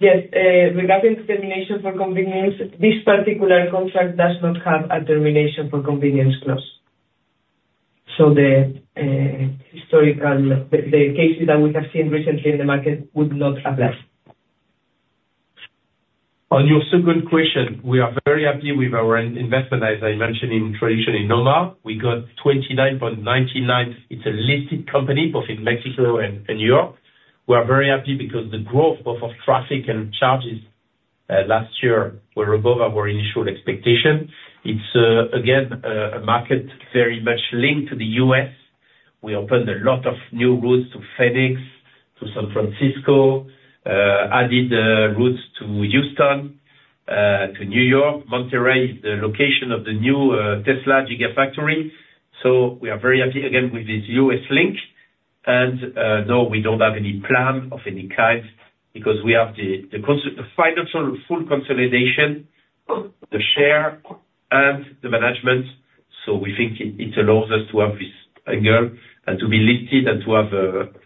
Yeah, regarding the termination for convenience. This particular contract does not have a termination for convenience clause. So the cases that we have seen recently in the market would not apply. On your second question, we are very happy with our investment, as I mentioned traditionally, OMA. We got 29.99. It's a listed company both in Mexico and Europe. We are very happy because the growth both of traffic and charges last year were above our initial expectation. It's, again, a market very much linked to the U.S. We opened a lot of new routes to Phoenix, to San Francisco, added routes to Houston, to New York. Monterrey is the location of the new Tesla Gigafactory. So we are very happy again with this U.S. link. And no, we don't have any plan of any kind because we have the financial full consolidation, the share, and the management. So we think it allows us to have this angle and to be listed and to have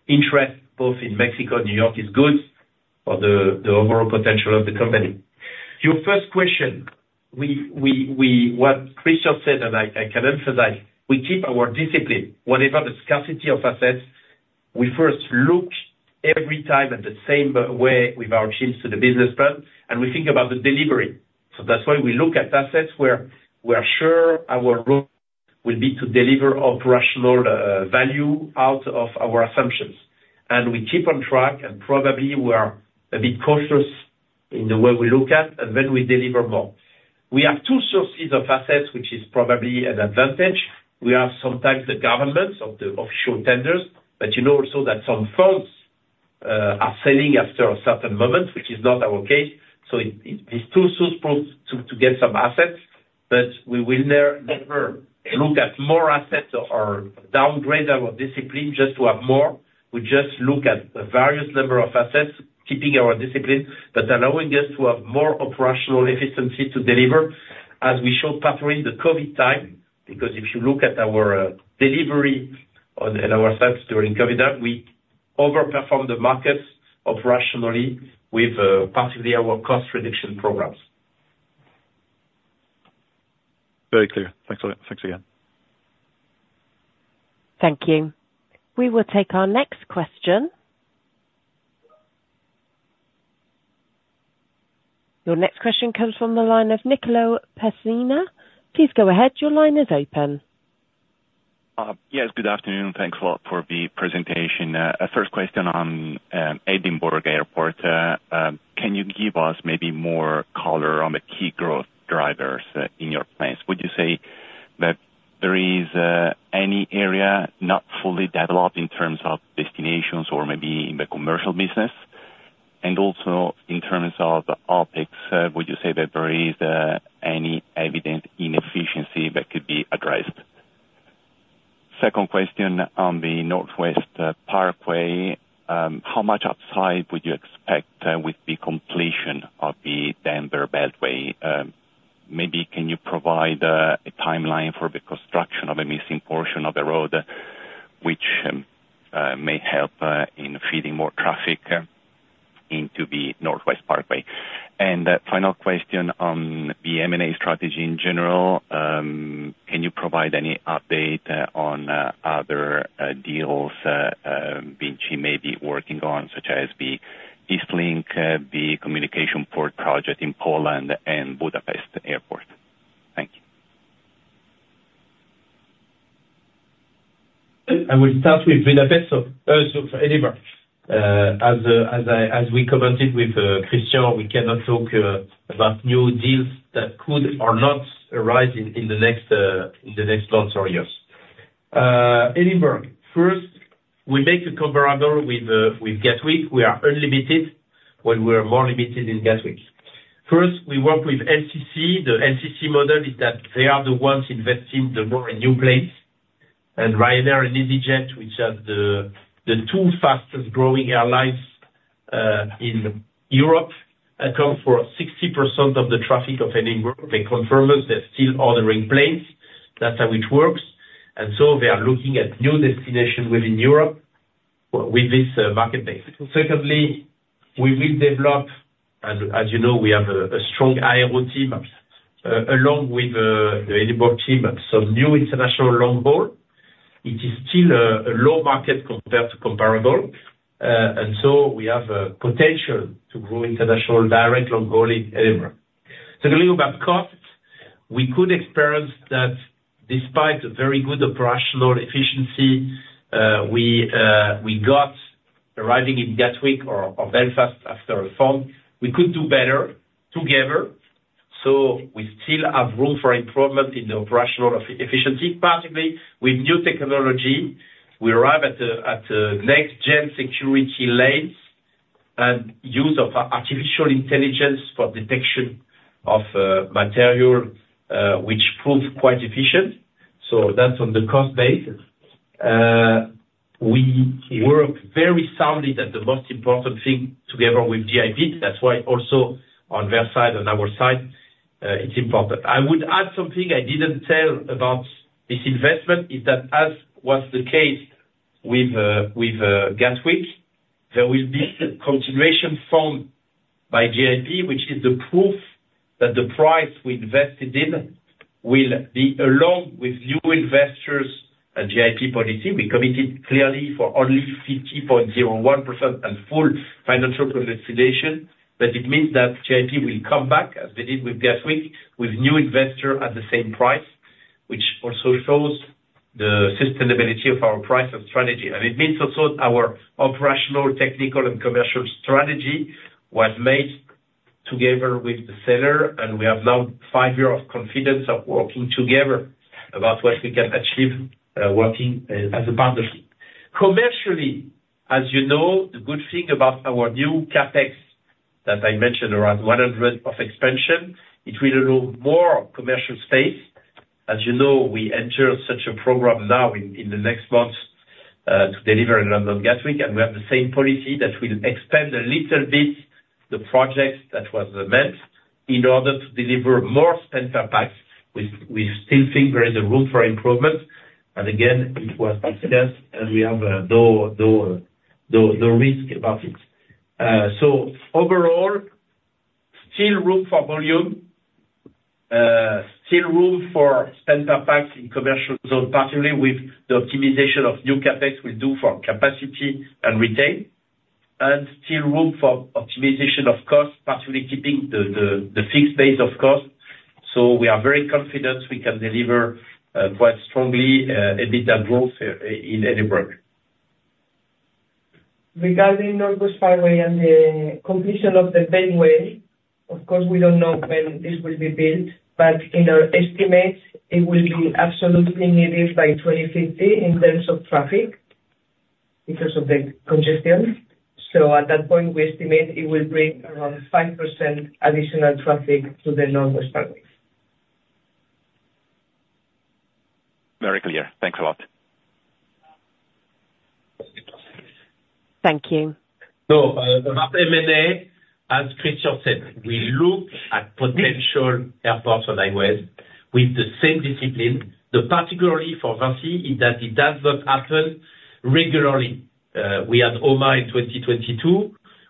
interest both in Mexico and New York is good for the overall potential of the company. Your first question, what Christian said and I can emphasize, we keep our discipline. Whatever the scarcity of assets, we first look every time at the same way with our teams to the business plan and we think about the delivery. So that's why we look at assets where we are sure our role will be to deliver operational value out of our assumptions. And we keep on track and probably we are a bit cautious in the way we look at and then we deliver more. We have two sources of assets, which is probably an advantage. We have sometimes the governments or the official tenders, but you know also that some funds are selling after a certain moment, which is not our case. So it is too soon to get some assets, but we will never look at more assets or downgrade our discipline just to have more. We just look at a various number of assets, keeping our discipline, but allowing us to have more operational efficiency to deliver as we showed pathway in the COVID time. Because if you look at our delivery and our sites during COVID, we overperform the markets operationally with passively our cost reduction programs. Very clear. Thanks again. Thank you. We will take our next question. Your next question comes from the line of Nicolo Pessina. Please go ahead. Your line is open. Yes, good afternoon. Thanks a lot for the presentation. A first question on Edinburgh Airport. Can you give us maybe more color on the key growth drivers in your place? Would you say that there is any area not fully developed in terms of destinations or maybe in the commercial business? And also in terms of the OpEx, would you say that there is any evident inefficiency that could be addressed? Second question on the Northwest Parkway. How much upside would you expect with the completion of the Denver Beltway? Maybe can you provide a timeline for the construction of a missing portion of the road, which may help in feeding more traffic into the Northwest Parkway? And final question on the M&A strategy in general. Can you provide any update on other deals VINCI may be working on, such as the East Link, the communication port project in Poland, and Budapest Airport? Thank you. I will start with Budapest or Edinburgh. As we commented with Christian, we cannot talk about new deals that could or not arise in the next months or years. Edinburgh, first, we made a comparison with Gatwick. We are unlimited when we are more limited in Gatwick. First, we work with LCC. The LCC model is that they are the ones investing the more in new planes. And Ryanair and easyJet, which are the two fastest growing airlines in Europe, account for 60% of the traffic of Edinburgh. They confirm us. They're still ordering planes. That's how it works. And so they are looking at new destinations within Europe with this market base. Secondly, we will develop, as you know, we have a strong aero team along with the Edinburgh team, some new international long-haul. It is still a low market compared to comparable. So we have potential to grow international direct long-haul in Edinburgh. Talking about COP, we could experience that despite a very good operational efficiency, we got arriving in Gatwick or Belfast after a form. We could do better together. So we still have room for improvement in the operational efficiency, particularly with new technology. We arrive at next-gen security lanes and use of artificial intelligence for detection of material, which proved quite efficient. So that's on the cost base. We work very soundly that the most important thing together with GIP. That's why also on their side, on our side, it's important. I would add something I didn't tell about this investment is that as was the case with Gatwick, there will be a continuation form by GIP, which is the proof that the price we invested in will be along with new investors' GIP policy. We committed clearly for only 50.01% and full financial consolidation. But it means that GIP will come back as we did with Gatwick with new investors at the same price, which also shows the sustainability of our pricing strategy. And it means also our operational, technical, and commercial strategy was made together with the seller. And we have now five years of experience of working together about what we can achieve working as a partnership. Commercially, as you know, the good thing about our new CapEx that I mentioned around 100 million of expansion, it will allow more commercial space. As you know, we enter such a program now in the next months to deliver in London Gatwick. And we have the same policy that will expand a little bit the projects that was meant in order to deliver more commercial space. We still think there is a room for improvement. And again. Passenger happiness and we have no risk about it. So overall, still room for volume, still room for spend per pax in commercial zone, particularly with the optimization of new CapEx we'll do for capacity and retail. Still room for optimization of cost, particularly keeping the fixed base of cost. So we are very confident we can deliver quite strongly a bit of growth in Edinburgh. Regarding Northwest Parkway and the completion of the beltway, of course, we don't know when this will be built, but in our estimates, it will be absolutely negative by 2050 in terms of traffic because of the congestion. So at that point, we estimate it will bring around 5% additional traffic to the Northwest Parkway. Very clear. Thanks a lot. Thank you. So about M&A, as Christian said, we look at potential airports on highways with the same discipline. The particularity for VINCI is that it does not happen regularly. We had OMA in 2022.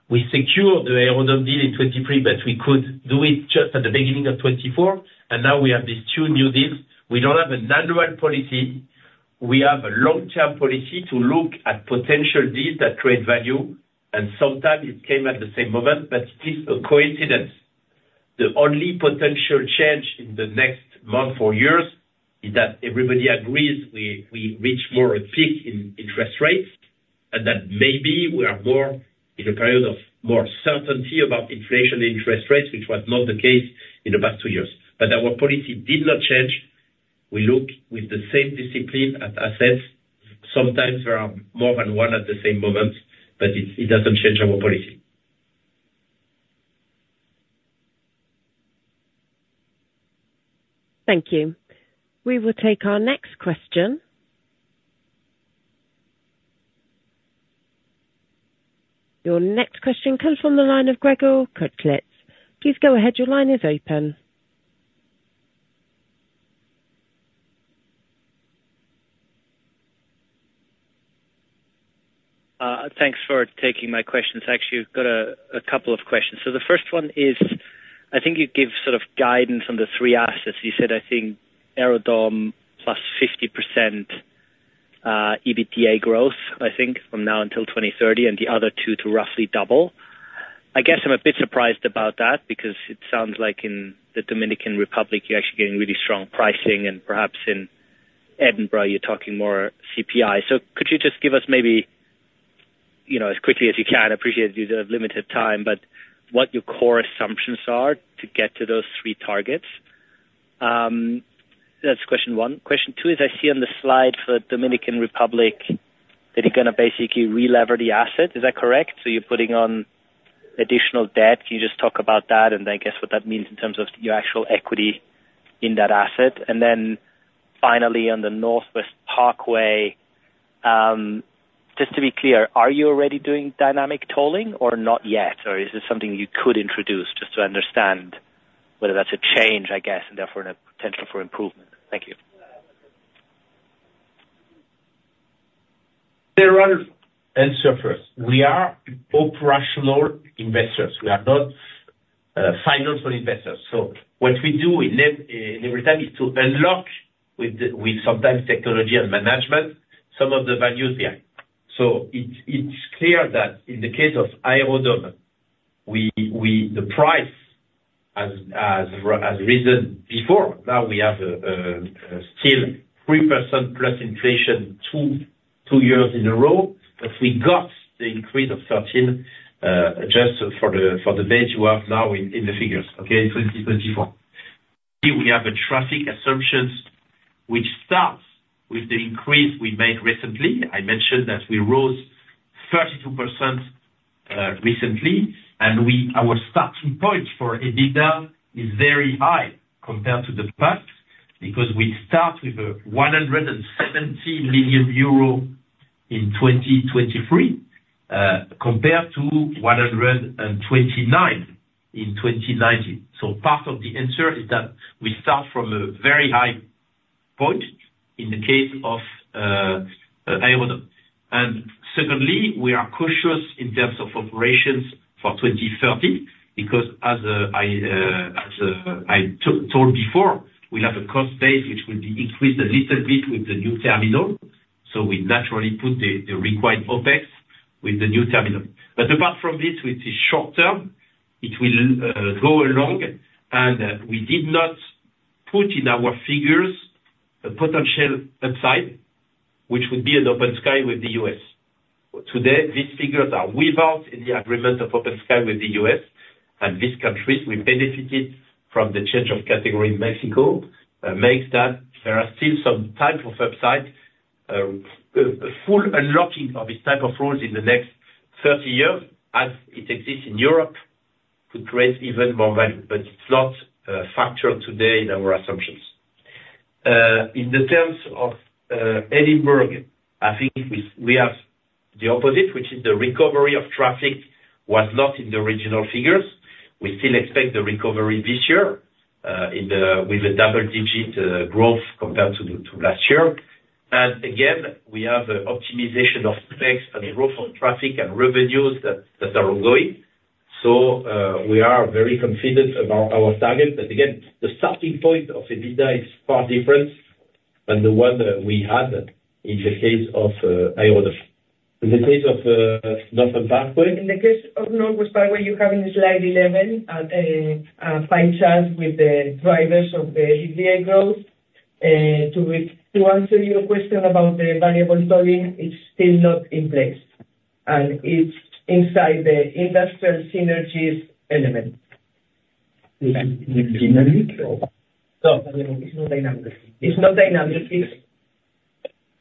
We secured the Aerodom deal in 2023, but we could do it just at the beginning of 2024. And now we have these two new deals. We don't have an annual policy. We have a long-term policy to look at potential deals that create value. And sometimes it came at the same moment, but it is a coincidence. The only potential change in the next month or years is that everybody agrees we reach more a peak in interest rates and that maybe we are more in a period of more certainty about inflation and interest rates, which was not the case in the past two years. But our policy did not change. We look with the same discipline at assets. Sometimes there are more than one at the same moment, but it doesn't change our policy. Thank you. We will take our next question. Your next question comes from the line of Grégoire Knoepfelmacher. Please go ahead. Your line is open. Thanks for taking my questions. Actually, I've got a couple of questions. So the first one is, I think you give sort of guidance on the three assets. You said, I think, Aerodom +50% EBITDA growth, I think, from now until 2030, and the other two to roughly double. I guess I'm a bit surprised about that because it sounds like in the Dominican Republic, you're actually getting really strong pricing, and perhaps in Edinburgh, you're talking more CPI. So could you just give us maybe, as quickly as you can? I appreciate you have limited time, but what your core assumptions are to get to those three targets. That's question one. Question two is, I see on the slide for the Dominican Republic that you're going to basically relever the asset. Is that correct? So you're putting on additional debt. Can you just talk about that and I guess what that means in terms of your actual equity in that asset? And then finally, on the Northwest Parkway, just to be clear, are you already doing dynamic tolling or not yet? Or is this something you could introduce just to understand whether that's a change, I guess, and therefore a potential for improvement? Thank you. There are answers first. We are operational investors. We are not financial investors. So what we do in every time is to unlock with sometimes technology and management some of the values there. So it's clear that in the case of Aerodom, the price has risen before. Now we have still 3% + inflation two years in a row, but we got the increase of 13% just for the base you have now in the figures, okay, in 2024. Here we have the traffic assumptions, which starts with the increase we made recently. I mentioned that we rose 32% recently. And our starting point for EBITDA is very high compared to the past because we start with 170 million euro in 2023 compared to 129 million in 2019. So part of the answer is that we start from a very high point in the case of Aerodom. Secondly, we are cautious in terms of operations for 2030 because, as I told before, we'll have a cost base, which will be increased a little bit with the new terminal. We naturally put the required OpEx with the new terminal. Apart from this, which is short term, it will go along. We did not put in our figures a potential upside, which would be an open sky with the U.S. Today, these figures are without any agreement of open sky with the U.S. These countries will benefit from the change of category in Mexico. Makes that there are still some type of upside. Full unlocking of this type of rules in the next 30 years, as it exists in Europe, could create even more value. It's not a factor today in our assumptions. In the terms of Edinburgh, I think we have the opposite, which is the recovery of traffic was not in the original figures. We still expect the recovery this year with a double-digit growth compared to last year. And again, we have optimization of space, I mean, growth of traffic and revenues that are ongoing. So we are very confident about our targets. But again, the starting point of EBITDA is far different than the one we had in the case of Aerodom. In the case of Northwest Parkway? In the case of Northwest Parkway, you have in slide 11 a fine chart with the drivers of the EBITDA growth. To answer your question about the variable tolling, it's still not in place. It's inside the industrial synergies element. Synergic? No. It's not dynamic. It's not dynamic.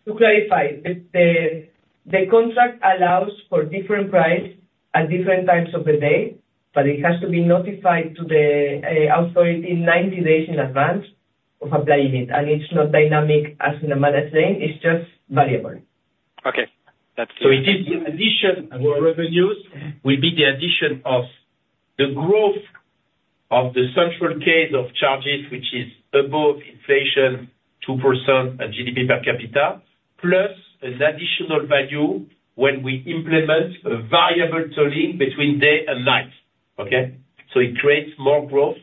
To clarify, the contract allows for different price at different times of the day, but it has to be notified to the authority 90 days in advance of applying it. And it's not dynamic as in a managed lane. It's just variable. Okay. So it is the addition of revenues will be the addition of the growth of the central case of charges, which is above inflation, 2% GDP per capita, plus an additional value when we implement a variable tolling between day and night, okay? So it creates more growth.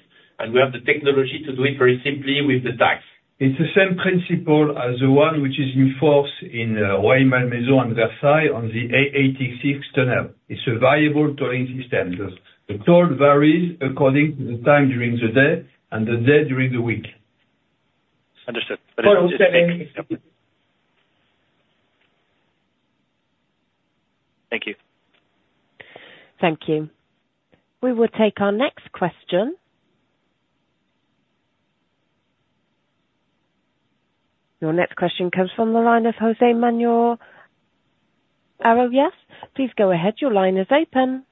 We have the technology to do it very simply with the tags. It's the same principle as the one which is in force in Rueil-Malmaison and Versailles on the A86 tunnel. It's a variable tolling system. The toll varies according to the time during the day and the day during the week. Understood. Thank you. Thank you. We will take our next question. Your next question comes from the line of José Manuel Arroyas. Please go ahead. Your line is open.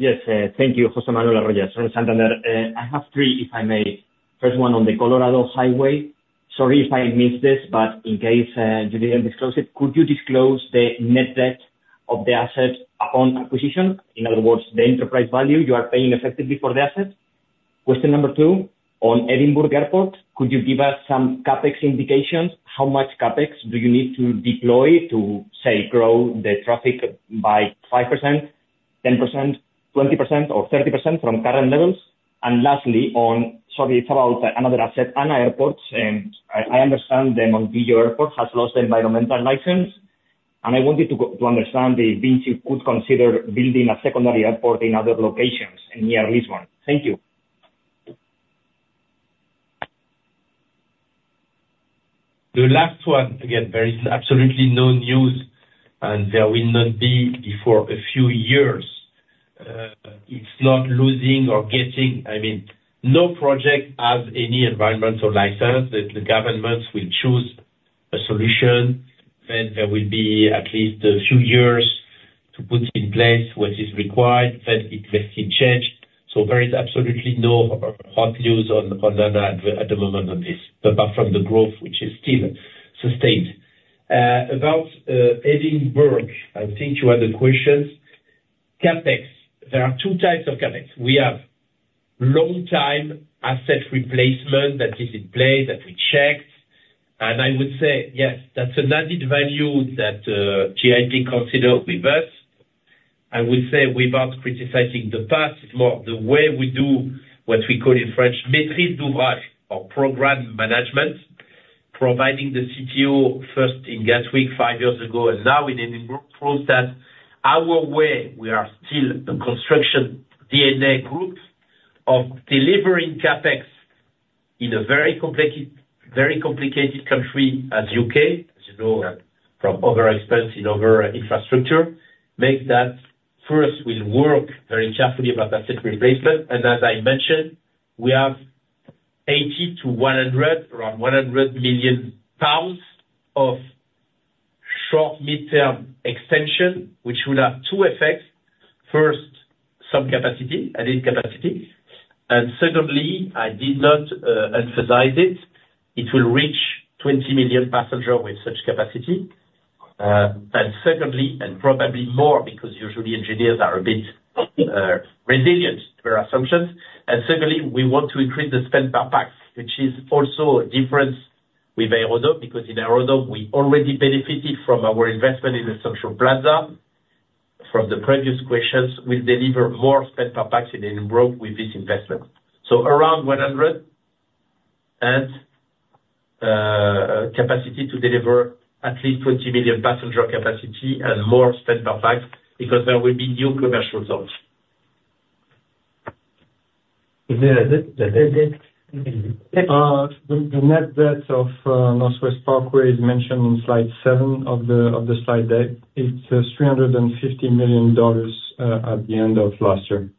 Yes. Thank you, José Manuel Arroyas. Alexandra, I have three, if I may. First one on the Colorado Highway. Sorry if I missed this, but in case you didn't disclose it, could you disclose the net debt of the asset upon acquisition? In other words, the enterprise value you are paying effectively for the asset. Question number two, on Edinburgh Airport, could you give us some CapEx indications? How much CapEx do you need to deploy to, say, grow the traffic by 5%, 10%, 20%, or 30% from current levels? And lastly, sorry, it's about another asset, ANA Airports. I understand the Montijo Airport has lost their environmental license. And I wanted to understand if VINCI could consider building a secondary airport in other locations near Lisbon. Thank you. The last one, again, there is absolutely no news, and there will not be before a few years. It's not losing or getting, I mean, no project has any environmental license. The governments will choose a solution, and there will be at least a few years to put in place what is required, then it must change. So there is absolutely no hot news on ANA at the moment of this, apart from the growth, which is still sustained. About Edinburgh, I think you had a question. CapEx, there are two types of CapEx. We have long-time asset replacement that is in play, that we checked. And I would say, yes, that's an added value that GIP considered with us. I would say without criticizing the past, it's more the way we do what we call in French maîtrise d'ouvrage, or program management, providing the CTO first in Gatwick five years ago. And now in Edinburgh, prove that our way, we are still a construction DNA group of delivering CapEx in a very complicated country as the U.K., as you know, from over-expense in over-infrastructure, makes that first will work very carefully about asset replacement. And as I mentioned, we have 80-100, around 100 million pounds of short mid-term extension, which will have two effects. First, some capacity, added capacity. And secondly, I did not emphasize it, it will reach 20 million passengers with such capacity. And secondly, and probably more because usually engineers are a bit resilient to our assumptions. Secondly, we want to increase the spend per pax, which is also a difference with Aerodom because in Aerodom, we already benefited from our investment in the Central Plaza. From the previous questions, we'll deliver more spend per pax in Edinburgh with this investment. Around 100 and capacity to deliver at least 20 million passenger capacity and more spend per pax because there will be new commercial zones. The net debt of Northwest Parkway is mentioned in slide 7 of the slide deck. It's $350 million at the end of last year.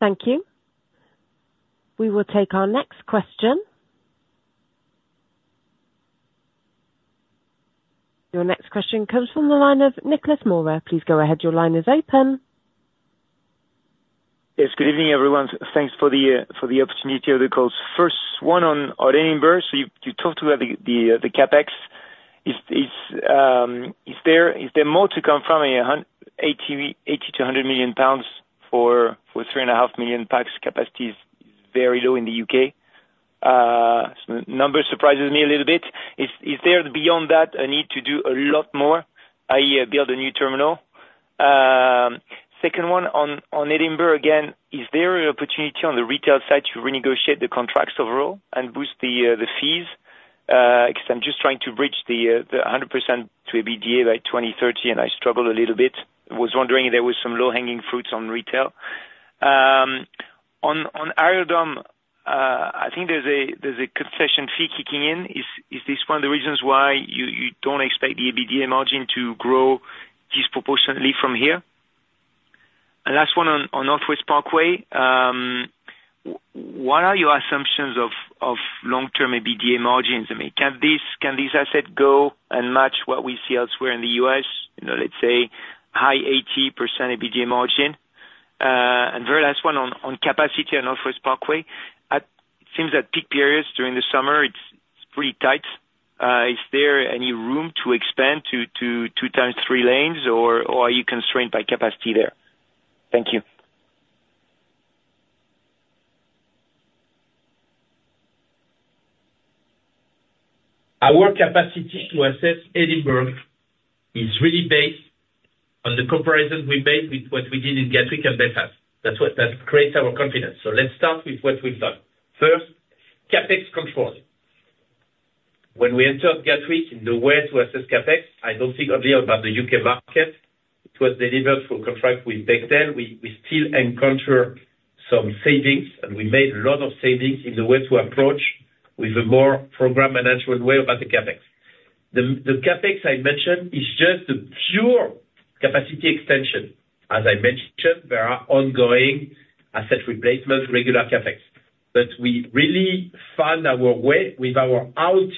Thank you. We will take our next question. Your next question comes from the line of Nicolas Mora. Please go ahead. Your line is open. Yes. Good evening, everyone. Thanks for the opportunity of the call. First one on Edinburgh. So you talked about the CapEx. Is there more to come from 80 million-100 million pounds for 3.5 million pax capacity is very low in the UK. The number surprises me a little bit. Is there beyond that a need to do a lot more, i.e., build a new terminal? Second one on Edinburgh, again, is there an opportunity on the retail side to renegotiate the contracts overall and boost the fees? Because I'm just trying to bridge the 100% to EBITDA by 2030, and I struggle a little bit. I was wondering if there were some low-hanging fruits on retail. On Aerodom, I think there's a concession fee kicking in. Is this one of the reasons why you don't expect the EBITDA margin to grow disproportionately from here? Last one on Northwest Parkway, what are your assumptions of long-term EBITDA margins? I mean, can this asset go and match what we see elsewhere in the U.S.? Let's say high 80% EBITDA margin. Very last one on capacity on Northwest Parkway. It seems that peak periods during the summer, it's pretty tight. Is there any room to expand to 2x3 lanes, or are you constrained by capacity there? Thank you. Our capacity to assess Edinburgh is really based on the comparison we made with what we did in Gatwick and Belfast. That creates our confidence. So let's start with what we've done. First, CapEx control. When we entered Gatwick in the way to assess CapEx, I don't think only about the UK market. It was delivered through a contract with Bechtel. We still encounter some savings, and we made a lot of savings in the way to approach with a more program management way about the CapEx. The CapEx I mentioned is just the pure capacity extension. As I mentioned, there are ongoing asset replacements, regular CapEx. But we really found our way with our own.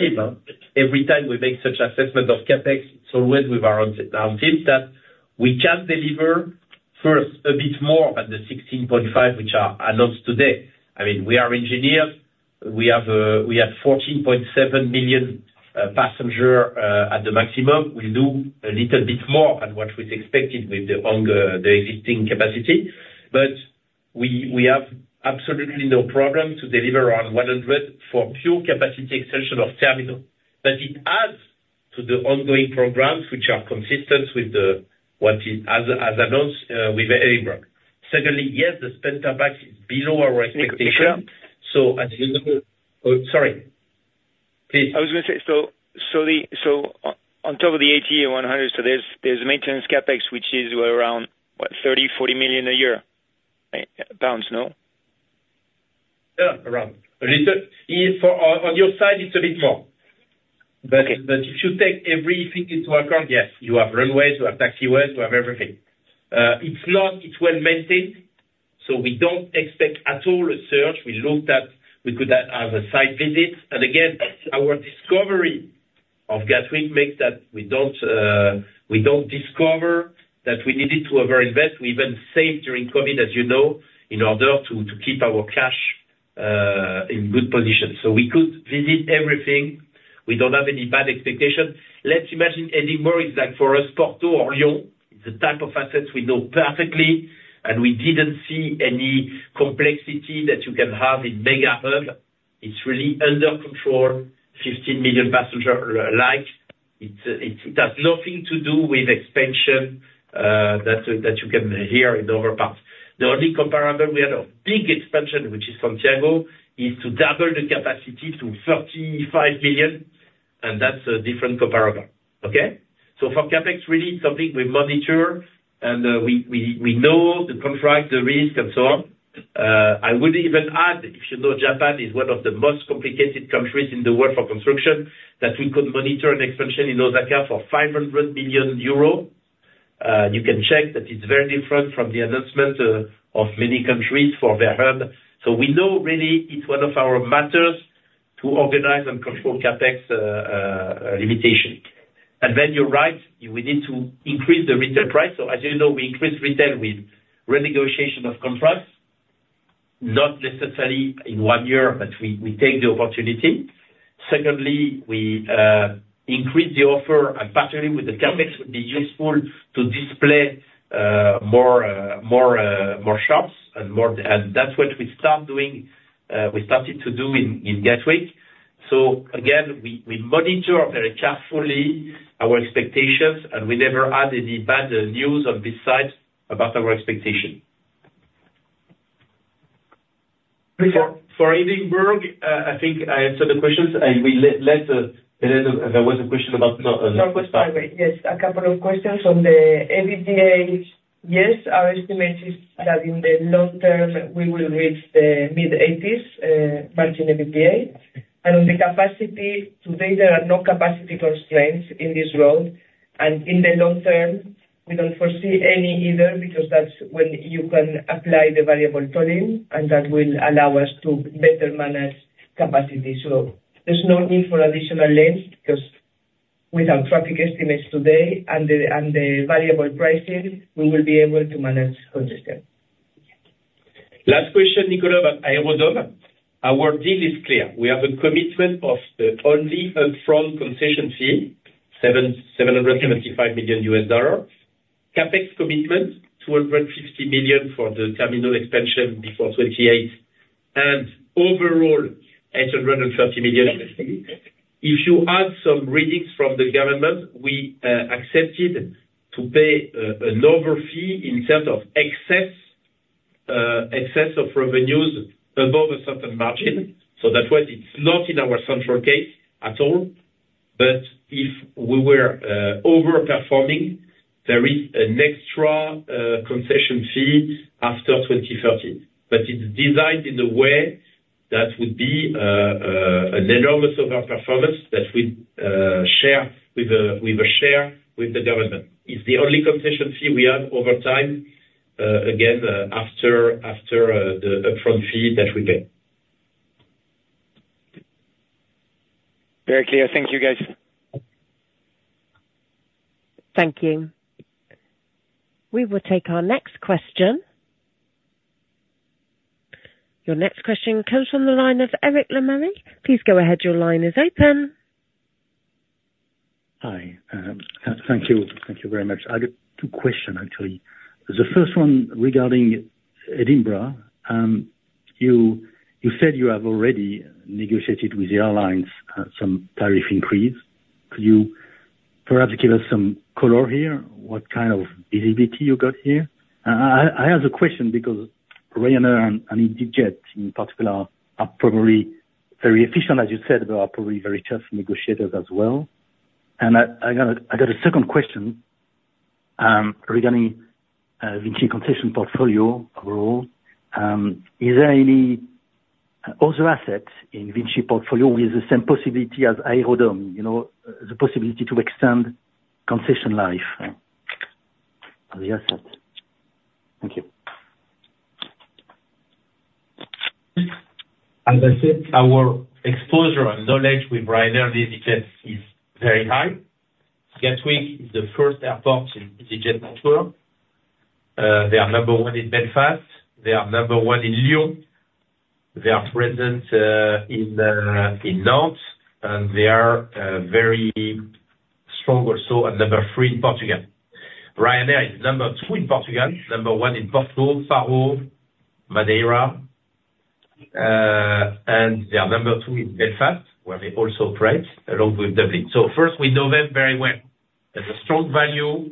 Every time we make such assessment of CapEx, it's always with our own team that we can deliver first a bit more than the 16.5, which are announced today. I mean, we are engineers. We had 14.7 million passengers at the maximum. We'll do a little bit more than what we expected with the existing capacity. But we have absolutely no problem to deliver around 100 for pure capacity extension of terminal. But it adds to the ongoing programs, which are consistent with what it has announced with Edinburgh. Secondly, yes, the spend per pax is below our expectation. So at the end of the sorry. Please. I was going to say, so on top of the 80 and 100, so there's a maintenance CapEx, which is around, what, 30 million-40 million a year, pounds, no? Yeah, around. On your side, it's a bit more. But if you take everything into account, yes, you have runways, you have taxiways, you have everything. It's well maintained. So we don't expect at all a surge. We looked at we could have a site visit. And again, our discovery of Gatwick makes that we don't discover that we needed to overinvest. We even saved during COVID, as you know, in order to keep our cash in good position. So we could visit everything. We don't have any bad expectation. Let's imagine Edinburgh is like for us, Porto or Lyon. It's the type of assets we know perfectly, and we didn't see any complexity that you can have in mega hub. It's really under control, 15 million passenger-like. It has nothing to do with expansion that you can hear in other parts. The only comparable we had a big expansion, which is Santiago, is to double the capacity to 35 million. That's a different comparable, okay? For CapEx, really, it's something we monitor, and we know the contract, the risk, and so on. I would even add, if you know, Japan is one of the most complicated countries in the world for construction, that we could monitor an expansion in Osaka for 500 million euro. You can check that it's very different from the announcement of many countries for their hub. We know really it's one of our matters to organize and control CapEx limitation. You're right, we need to increase the retail, right? As you know, we increase retail with renegotiation of contracts, not necessarily in one year, but we take the opportunity. Secondly, we increase the offer, and particularly with the CapEx, would be useful to display more shops and more. And that's what we start doing. We started to do in Gatwick. So again, we monitor very carefully our expectations, and we never add any bad news on this side about our expectation. For Edinburgh, I think I answered the questions. I will let Belén there was a question about. No, goodbye. Yes, a couple of questions on the EBITDA. Yes, our estimate is that in the long term, we will reach the mid-80s margin EBITDA. And on the capacity, today, there are no capacity constraints in this road. And in the long term, we don't foresee any either because that's when you can apply the variable tolling, and that will allow us to better manage capacity. There's no need for additional lanes because with our traffic estimates today and the variable pricing, we will be able to manage congestion. Last question, Nicolas, about Aerodom. Our deal is clear. We have a commitment of only upfront concession fee, $775 million. CapEx commitment, $250 million for the terminal expansion before 2028, and overall, $830 million. If you add some rebates from the government, we accept it to pay an overfee in terms of excess of revenues above a certain margin. So that's why it's not in our central case at all. But if we were overperforming, there is an extra concession fee after 2013. But it's designed in a way that would be an enormous overperformance that we'd share with the government. It's the only concession fee we have over time, again, after the upfront fee that we pay. Very clear. Thank you, guys. Thank you. We will take our next question. Your next question comes from the line of Éric Lemarié. Please go ahead. Your line is open. Hi. Thank you very much. I have two questions, actually. The first one regarding Edinburgh. You said you have already negotiated with the airlines some tariff increase. Could you perhaps give us some color here, what kind of visibility you got here? I have a question because Ryanair and easyJet, in particular, are probably very efficient, as you said, but are probably very tough negotiators as well. I got a second question regarding VINCI Concessions portfolio overall. Is there any other asset in VINCI portfolio with the same possibility as Aerodom, the possibility to extend concession life of the asset? Thank you. As I said, our exposure and knowledge with Ryanair and easyJet is very high. Gatwick is the first airport in easyJet network. They are number one in Belfast. They are number one in Lyon. They are present in Nantes, and they are very strong also at number three in Portugal. Ryanair is number two in Portugal, number one in Porto, Faro, Madeira. And they are number two in Belfast, where they also operate, along with Dublin. So first, we know them very well. They have a strong value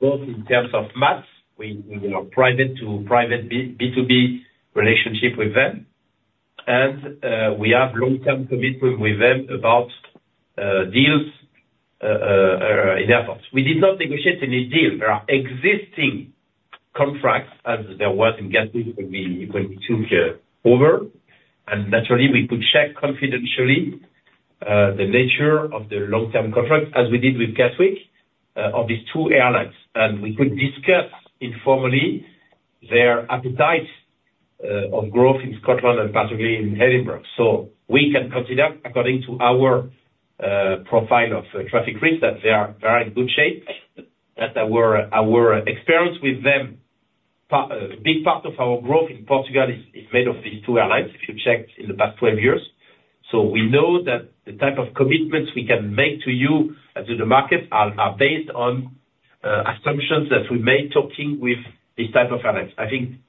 both in terms of pax. We are private to private B2B relationship with them. And we have long-term commitment with them about deals in airports. We did not negotiate any deal. There are existing contracts, as there was in Gatwick when we took over. Naturally, we could check confidentially the nature of the long-term contract, as we did with Gatwick, of these two airlines. We could discuss informally their appetite of growth in Scotland and particularly in Edinburgh. We can consider, according to our profile of traffic risk, that they are in good shape. Our experience with them, a big part of our growth in Portugal is made of these two airlines, if you check in the past 12 years. We know that the type of commitments we can make to you and to the markets are based on assumptions that we make talking with these type of airlines. I think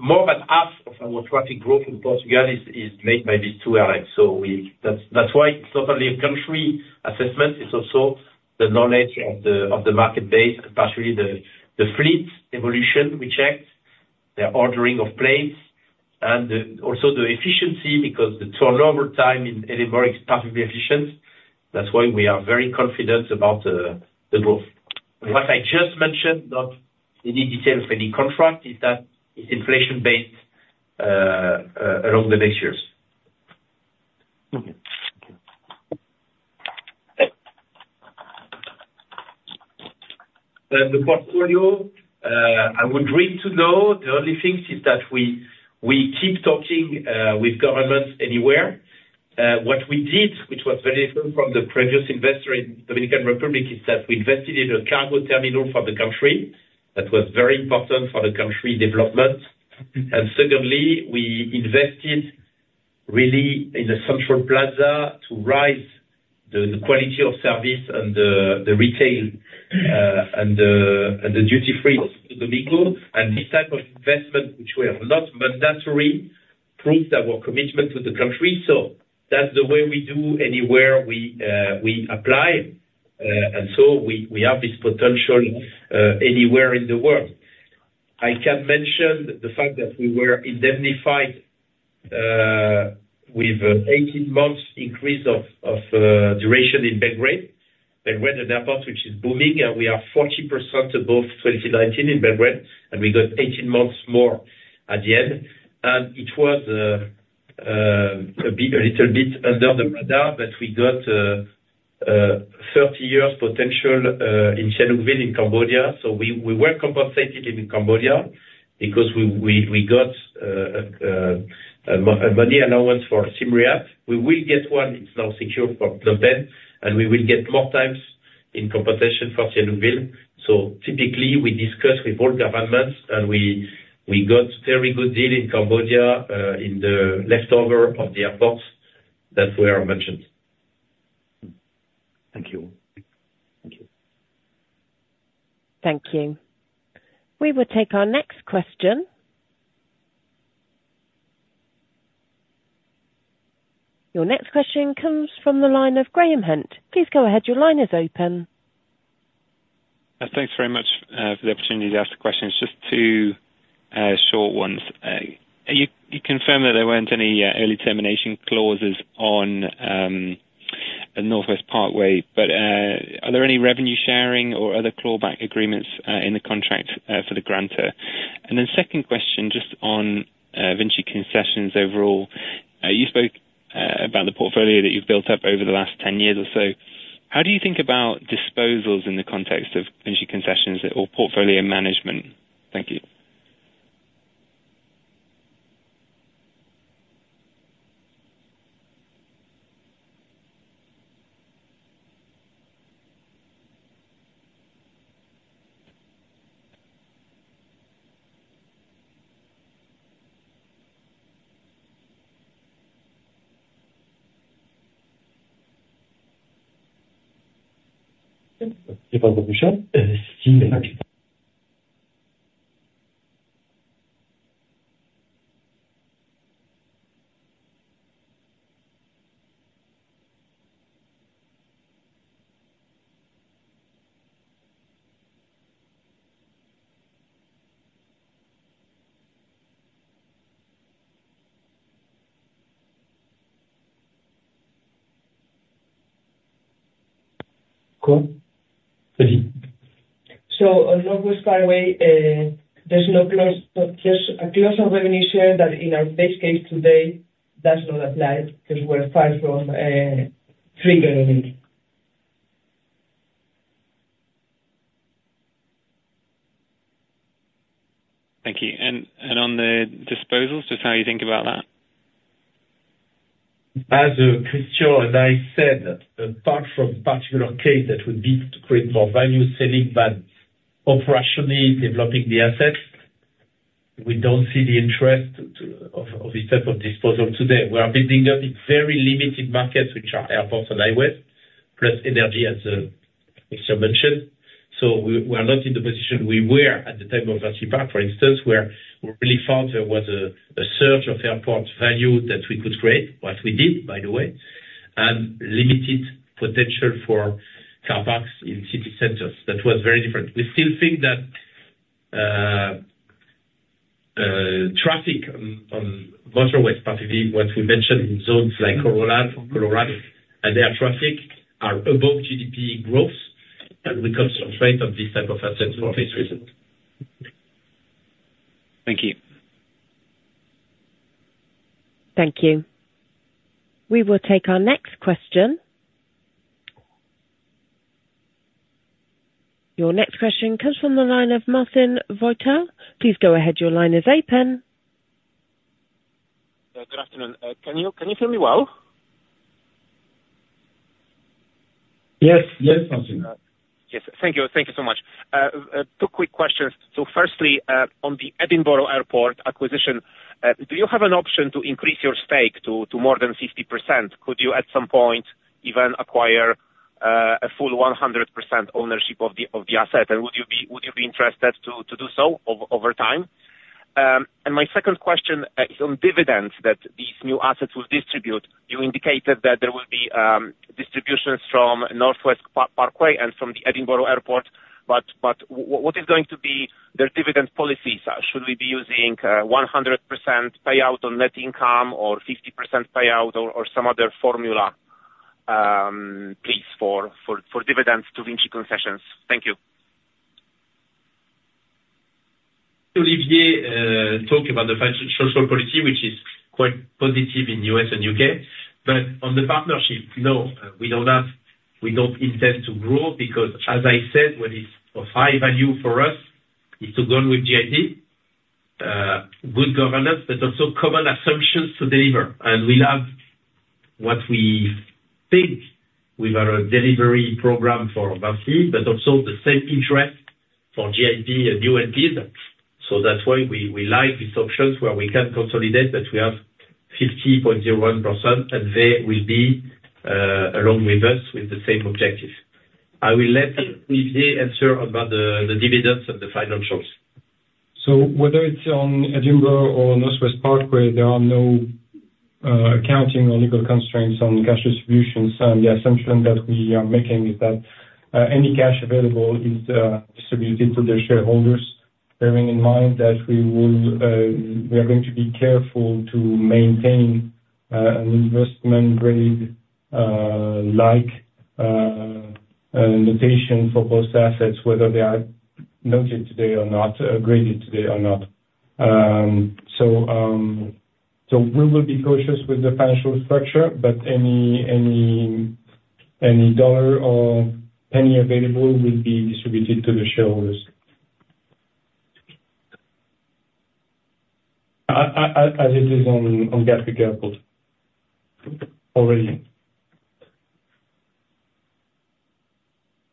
more than half of our traffic growth in Portugal is made by these two airlines. That's why it's not only a country assessment. It's also the knowledge of the market base, particularly the fleet evolution we checked, their ordering of planes, and also the efficiency because the turnover time in Edinburgh is particularly efficient. That's why we are very confident about the growth. What I just mentioned, not any detail of any contract, is that it's inflation-based along the next years. And the portfolio, I would dream to know. The only thing is that we keep talking with governments anywhere. What we did, which was very different from the previous investor in the Dominican Republic, is that we invested in a cargo terminal for the country. That was very important for the country's development. And secondly, we invested really in the Central Plaza to rise the quality of service and the retail and the duty-free Santo Domingo. And this type of investment, which we are not mandatory, proved our commitment to the country. So that's the way we do anywhere we apply. And so we have this potential anywhere in the world. I can mention the fact that we were identified with an 18-month increase of duration in Belgrade Airport, which is booming. And we are 40% above 2019 in Belgrade, and we got 18 months more at the end. And it was a little bit under the radar, but we got 30 years potential in Sihanoukville, in Cambodia. So we were compensated in Cambodia because we got a money allowance for Siem Reap. We will get one. It's now secured from Phnom Penh. And we will get more times in compensation for Sihanoukville. So typically, we discuss with all governments, and we got a very good deal in Cambodia in the leftover of the airports that were mentioned. Thank you. Thank you. Thank you. We will take our next question. Your next question comes from the line of Graham Hunt. Please go ahead. Your line is open. Thanks very much for the opportunity to ask the questions. Just two short ones. You confirmed that there weren't any early termination clauses on Northwest Parkway, but are there any revenue sharing or other clawback agreements in the contract for the grantor? And then second question, just on VINCI Concessions overall. You spoke about the portfolio that you've built up over the last 10 years or so. How do you think about disposals in the context of VINCI Concessions or portfolio management? Thank you. Thank you for the question. Cool. On Northwest Parkway, there's no clause. A clause on revenue share that, in our test case today, does not apply because we're far from triggering it. Thank you. On the disposals, just how do you think about that? As Christian and I said, apart from a particular case that would be to create more value selling but operationally developing the assets, we don't see the interest of this type of disposal today. We are building up in very limited markets, which are airports and highways, plus energy as a extra mention. So we are not in the position we were at the time of VINCI Park, for instance, where we really found there was a surge of airport value that we could create, what we did, by the way, and limited potential for car parks in city centers. That was very different. We still think that traffic on motorways, particularly what we mentioned in zones like Colorado and their traffic, are above GDP growth, and we concentrate on this type of assets for this reason. Thank you. Thank you. We will take our next question. Your next question comes from the line of Marcin Wojtal. Please go ahead. Your line is open. Good afternoon. Can you hear me well? Yes. Yes, Martin. Yes. Thank you. Thank you so much. Two quick questions. So firstly, on the Edinburgh Airport acquisition, do you have an option to increase your stake to more than 50%? Could you, at some point, even acquire a full 100% ownership of the asset? And would you be interested to do so over time? And my second question is on dividends that these new assets will distribute. You indicated that there will be distributions from Northwest Parkway and from the Edinburgh Airport. But what is going to be their dividend policies? Should we be using 100% payout on net income or 50% payout or some other formula, please, for dividends to VINCI Concessions? Thank you. Olivier talked about the financial social policy, which is quite positive in the U.S. and U.K. But on the partnership, no, we don't intend to grow because, as I said, what is of high value for us is to go on with GIP, good governance, but also common assumptions to deliver. And we love what we think we've got a delivery program for VINCI, but also the same interest for GIP and VINCI's. So that's why we like these options where we can consolidate that we have 50.01%, and they will be along with us with the same objective. I will let Olivier answer about the dividends and the financials. Whether it's on Edinburgh or Northwest Parkway, there are no accounting or legal constraints on cash distributions. The assumption that we are making is that any cash available is distributed to their shareholders, having in mind that we are going to be careful to maintain an investment-grade-like notation for both assets, whether they are noted today or not, graded today or not. We will be cautious with the financial structure, but any dollar or penny available will be distributed to the shareholders, as it is on Gatwick Airport already.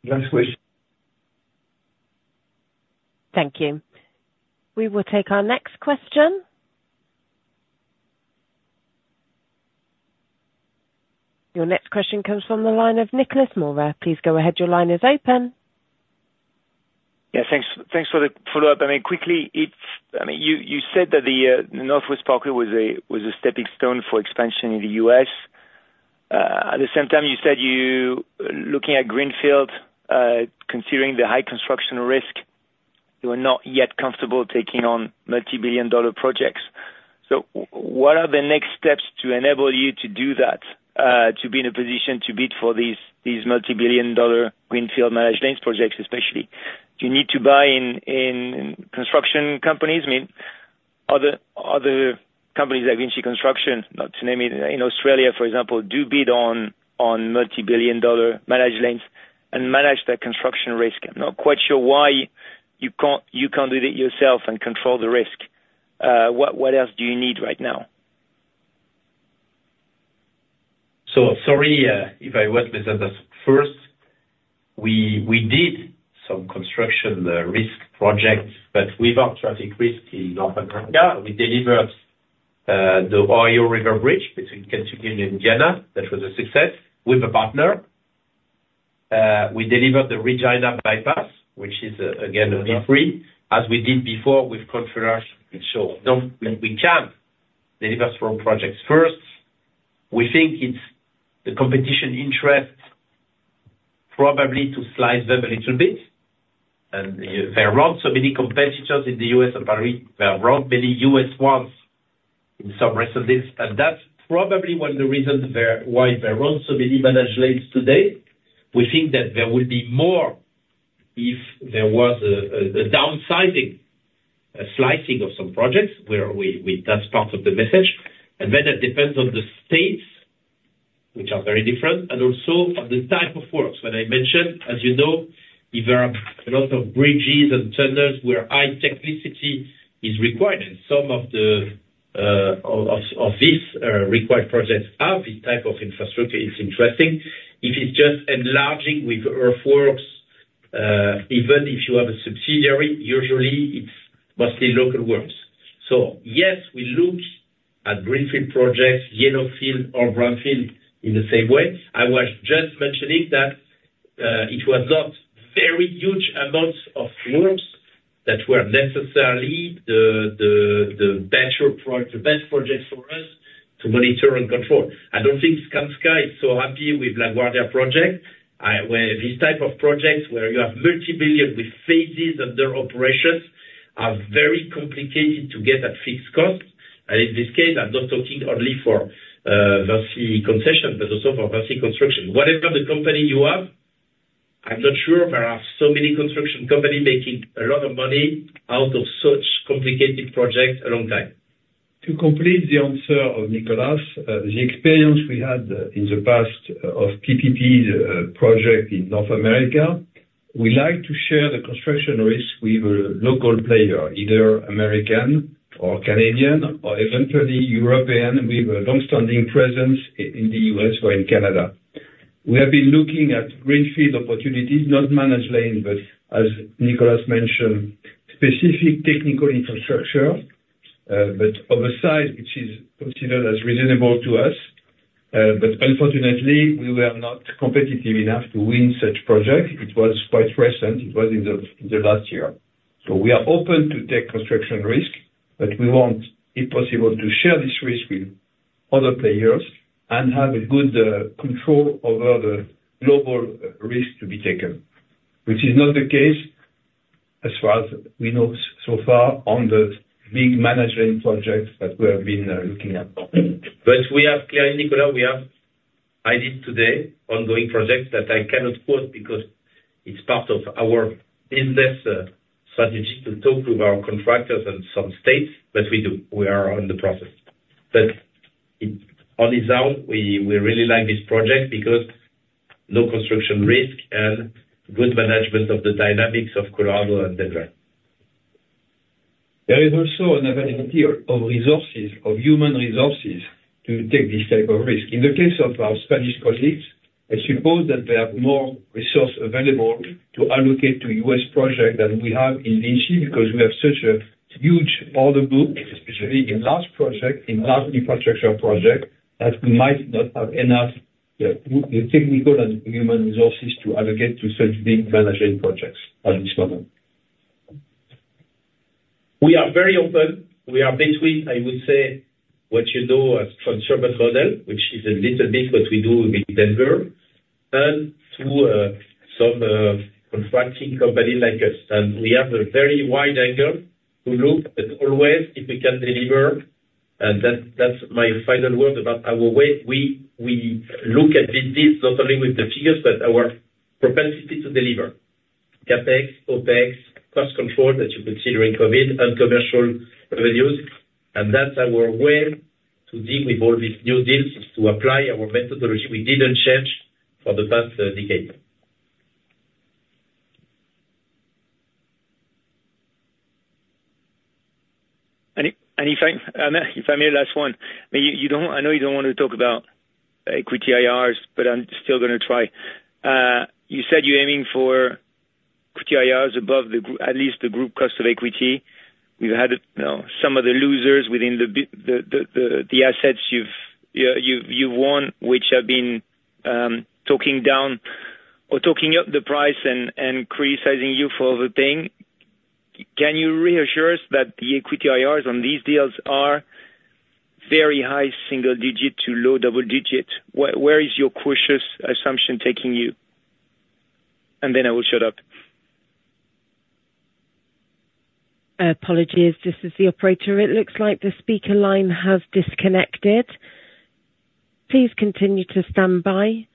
Last question. Thank you. We will take our next question. Your next question comes from the line of Nicolas Mora. Please go ahead. Your line is open. Yeah, thanks for the follow-up. I mean, quickly, you said that the Northwest Parkway was a stepping stone for expansion in the U.S. At the same time, you said you, looking at Greenfield, considering the high construction risk, you are not yet comfortable taking on multibillion-dollar projects. So what are the next steps to enable you to do that, to be in a position to bid for these multibillion-dollar Greenfield managed lanes projects, especially? Do you need to buy in construction companies? I mean, are there other companies like VINCI Construction, not to name it, in Australia, for example, do bid on multibillion-dollar managed lanes and manage that construction risk? I'm not quite sure why you can't do that yourself and control the risk. What else do you need right now? So sorry if I wasn't listened to first. We did some construction risk projects, but without traffic risk in North Africa. We delivered the Ohio River Bridge between Kentucky and Indiana. That was a success with a partner. We delivered the Regina Bypass, which is, again, a P3, as we did before with a contractor, which shows we can deliver strong projects. First, we think it's the competition interest probably to slice them a little bit. And there are not so many competitors in the U.S. and Paris. There are not many U.S. ones in some recent days. And that's probably one of the reasons why there are not so many managed lanes today. We think that there would be more if there was a downsizing, a slicing of some projects. That's part of the message. Then it depends on the states, which are very different, and also on the type of works. When I mentioned, as you know, if there are a lot of bridges and tunnels where high technicity is required and some of these required projects have this type of infrastructure, it's interesting. If it's just enlarging with earthworks, even if you have a subsidiary, usually, it's mostly local works. So yes, we look at greenfield projects, yellowfield, or brownfield in the same way. I was just mentioning that it was not very huge amounts of works that were necessarily the best projects for us to monitor and control. I don't think Skanska is so happy with LaGuardia projects, where these types of projects where you have multibillion with phases under operations are very complicated to get at fixed cost. In this case, I'm not talking only for VINCI Concessions, but also for VINCI Construction. Whatever the company you have, I'm not sure if there are so many construction companies making a lot of money out of such complicated projects a long time. To complete the answer of Nicolas, the experience we had in the past of PPP projects in North America, we like to share the construction risk with a local player, either American or Canadian or eventually European, with a longstanding presence in the U.S. or in Canada. We have been looking at greenfield opportunities, not managed lanes, but as Nicolas mentioned, specific technical infrastructure, but of a size which is considered as reasonable to us. Unfortunately, we were not competitive enough to win such projects. It was quite recent. It was in the last year. So we are open to take construction risk, but we want, if possible, to share this risk with other players and have a good control over the global risk to be taken, which is not the case as far as we know so far on the big managed lane projects that we have been looking at. But we have clearly, Nicolas, we have today ongoing projects that I cannot quote because it's part of our internal strategy to talk to our contractors and some states, but we do. We are in the process. But on its own, we really like this project because no construction risk and good management of the dynamics of Colorado and Denver. There is also an availability of resources, of human resources, to take this type of risk. In the case of our Spanish colleagues, I suppose that they have more resources available to allocate to U.S. projects than we have in VINCI because we have such a huge order book, especially in large projects, in large infrastructure projects, that we might not have enough technical and human resources to allocate to such big managed lane projects at this moment. We are very open. We are between, I would say, what you know as Transurban Model, which is a little bit what we do with Denver, and through some contracting companies like us. We have a very wide angle to look at always if we can deliver. That's my final word about our way. We look at this not only with the figures, but our propensity to deliver: CapEx, OpEx, cost control that you consider in COVID, uncommercial revenues. And that's our way to deal with all these new deals, is to apply our methodology. We didn't change for the past decade. Any final last one? I know you don't want to talk about equity IRs, but I'm still going to try. You said you're aiming for equity IRs above at least the group cost of equity. We've had some of the losers within the assets you've won, which have been talking down or talking up the price and criticizing you for the thing. Can you reassure us that the equity IRs on these deals are very high single-digit to low double-digit? Where is your cautious assumption taking you? And then I will shut up. Apologies, this is the operator. It looks like the speaker line has disconnected. Please continue to stand by.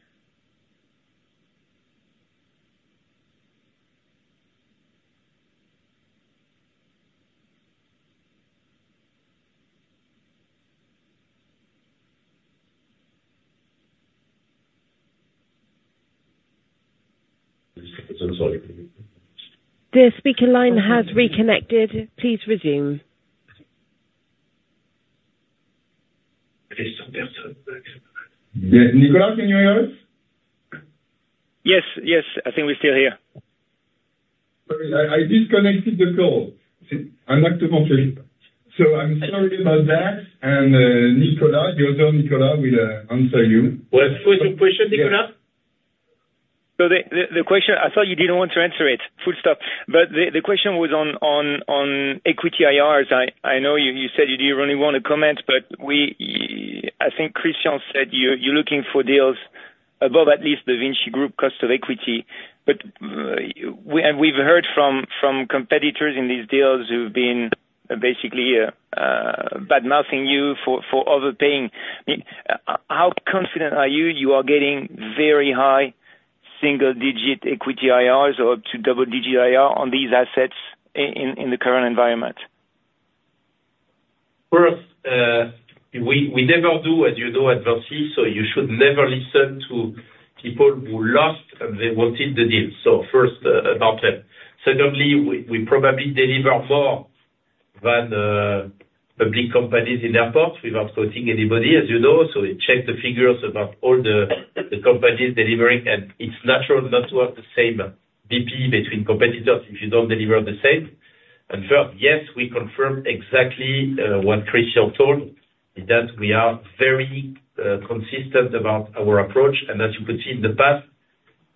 The speaker line has reconnected. Please resume. Yes, Nicolas, can you hear us? Yes, yes. I think we're still here. I disconnected the call. I'm not too confident. I'm sorry about that. Nicolas, the other Nicolas, will answer you. Well, who is the question, Nicolas? So the question I thought you didn't want to answer it. Full stop. But the question was on equity IRs. I know you said you didn't really want to comment, but I think Christian said you're looking for deals above at least the VINCI Group cost of equity. And we've heard from competitors in these deals who've been basically bad-mouthing you for overpaying. How confident are you you are getting very high single-digit equity IRs or up to double-digit IR on these assets in the current environment? First, we never do, as you know, adversity. So you should never listen to people who laughed and they wanted the deal. So first about them. Secondly, we probably deliver more than public companies in the airport without quoting anybody, as you know. So we check the figures about all the companies delivering. And it's natural not to have the same BP between competitors if you don't deliver the same. And first, yes, we confirm exactly what Christian told, that we are very consistent about our approach. And as you could see in the past,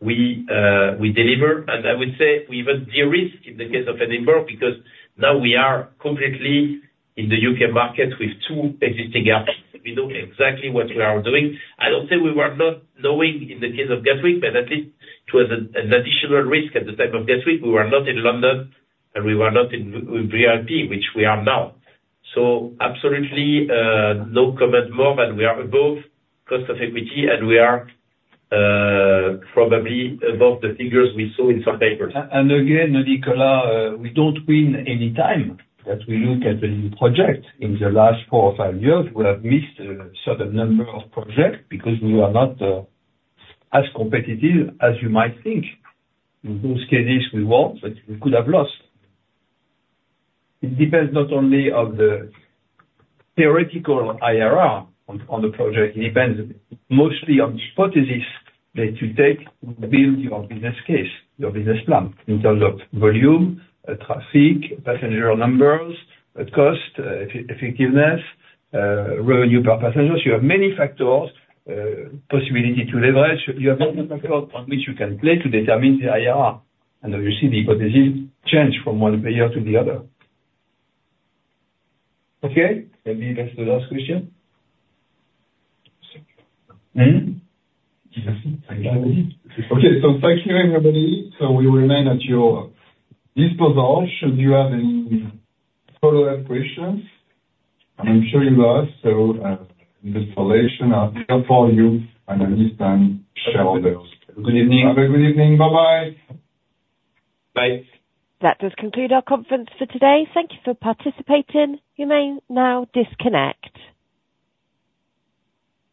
we deliver. And I would say we even de-risk in the case of Edinburgh because now we are completely in the U.K. market with two existing airports. We know exactly what we are doing. I don't think we were not knowing in the case of Gatwick, but at least it was an additional risk at the time of Gatwick. We were not in London, and we were not in BRP, which we are now. So absolutely no comment more than we are above cost of equity, and we are probably above the figures we saw in some papers. Again, Nicolas, we don't win any time that we look at a new project. In the last four or five years, we have missed a certain number of projects because we are not as competitive as you might think. In those cases, we won, but we could have lost. It depends not only on the theoretical IRR on the project. It depends mostly on the hypothesis that you take to build your business case, your business plan in terms of volume, traffic, passenger numbers, cost, effectiveness, revenue per passenger. So you have many factors, possibility to leverage. You have all the factors on which you can play to determine the IRR. And as you see, the hypothesis changed from one player to the other. Okay? Maybe that's the last question. Okay. Thank you, everybody. So we will remain at your disposal should you have any follow-up questions. I'm sure you have lots. So in this regard, I'll stay for you and at least share with us. Have a good evening. Have a good evening. Bye-bye. Bye. That does conclude our conference for today. Thank you for participating. You may now disconnect.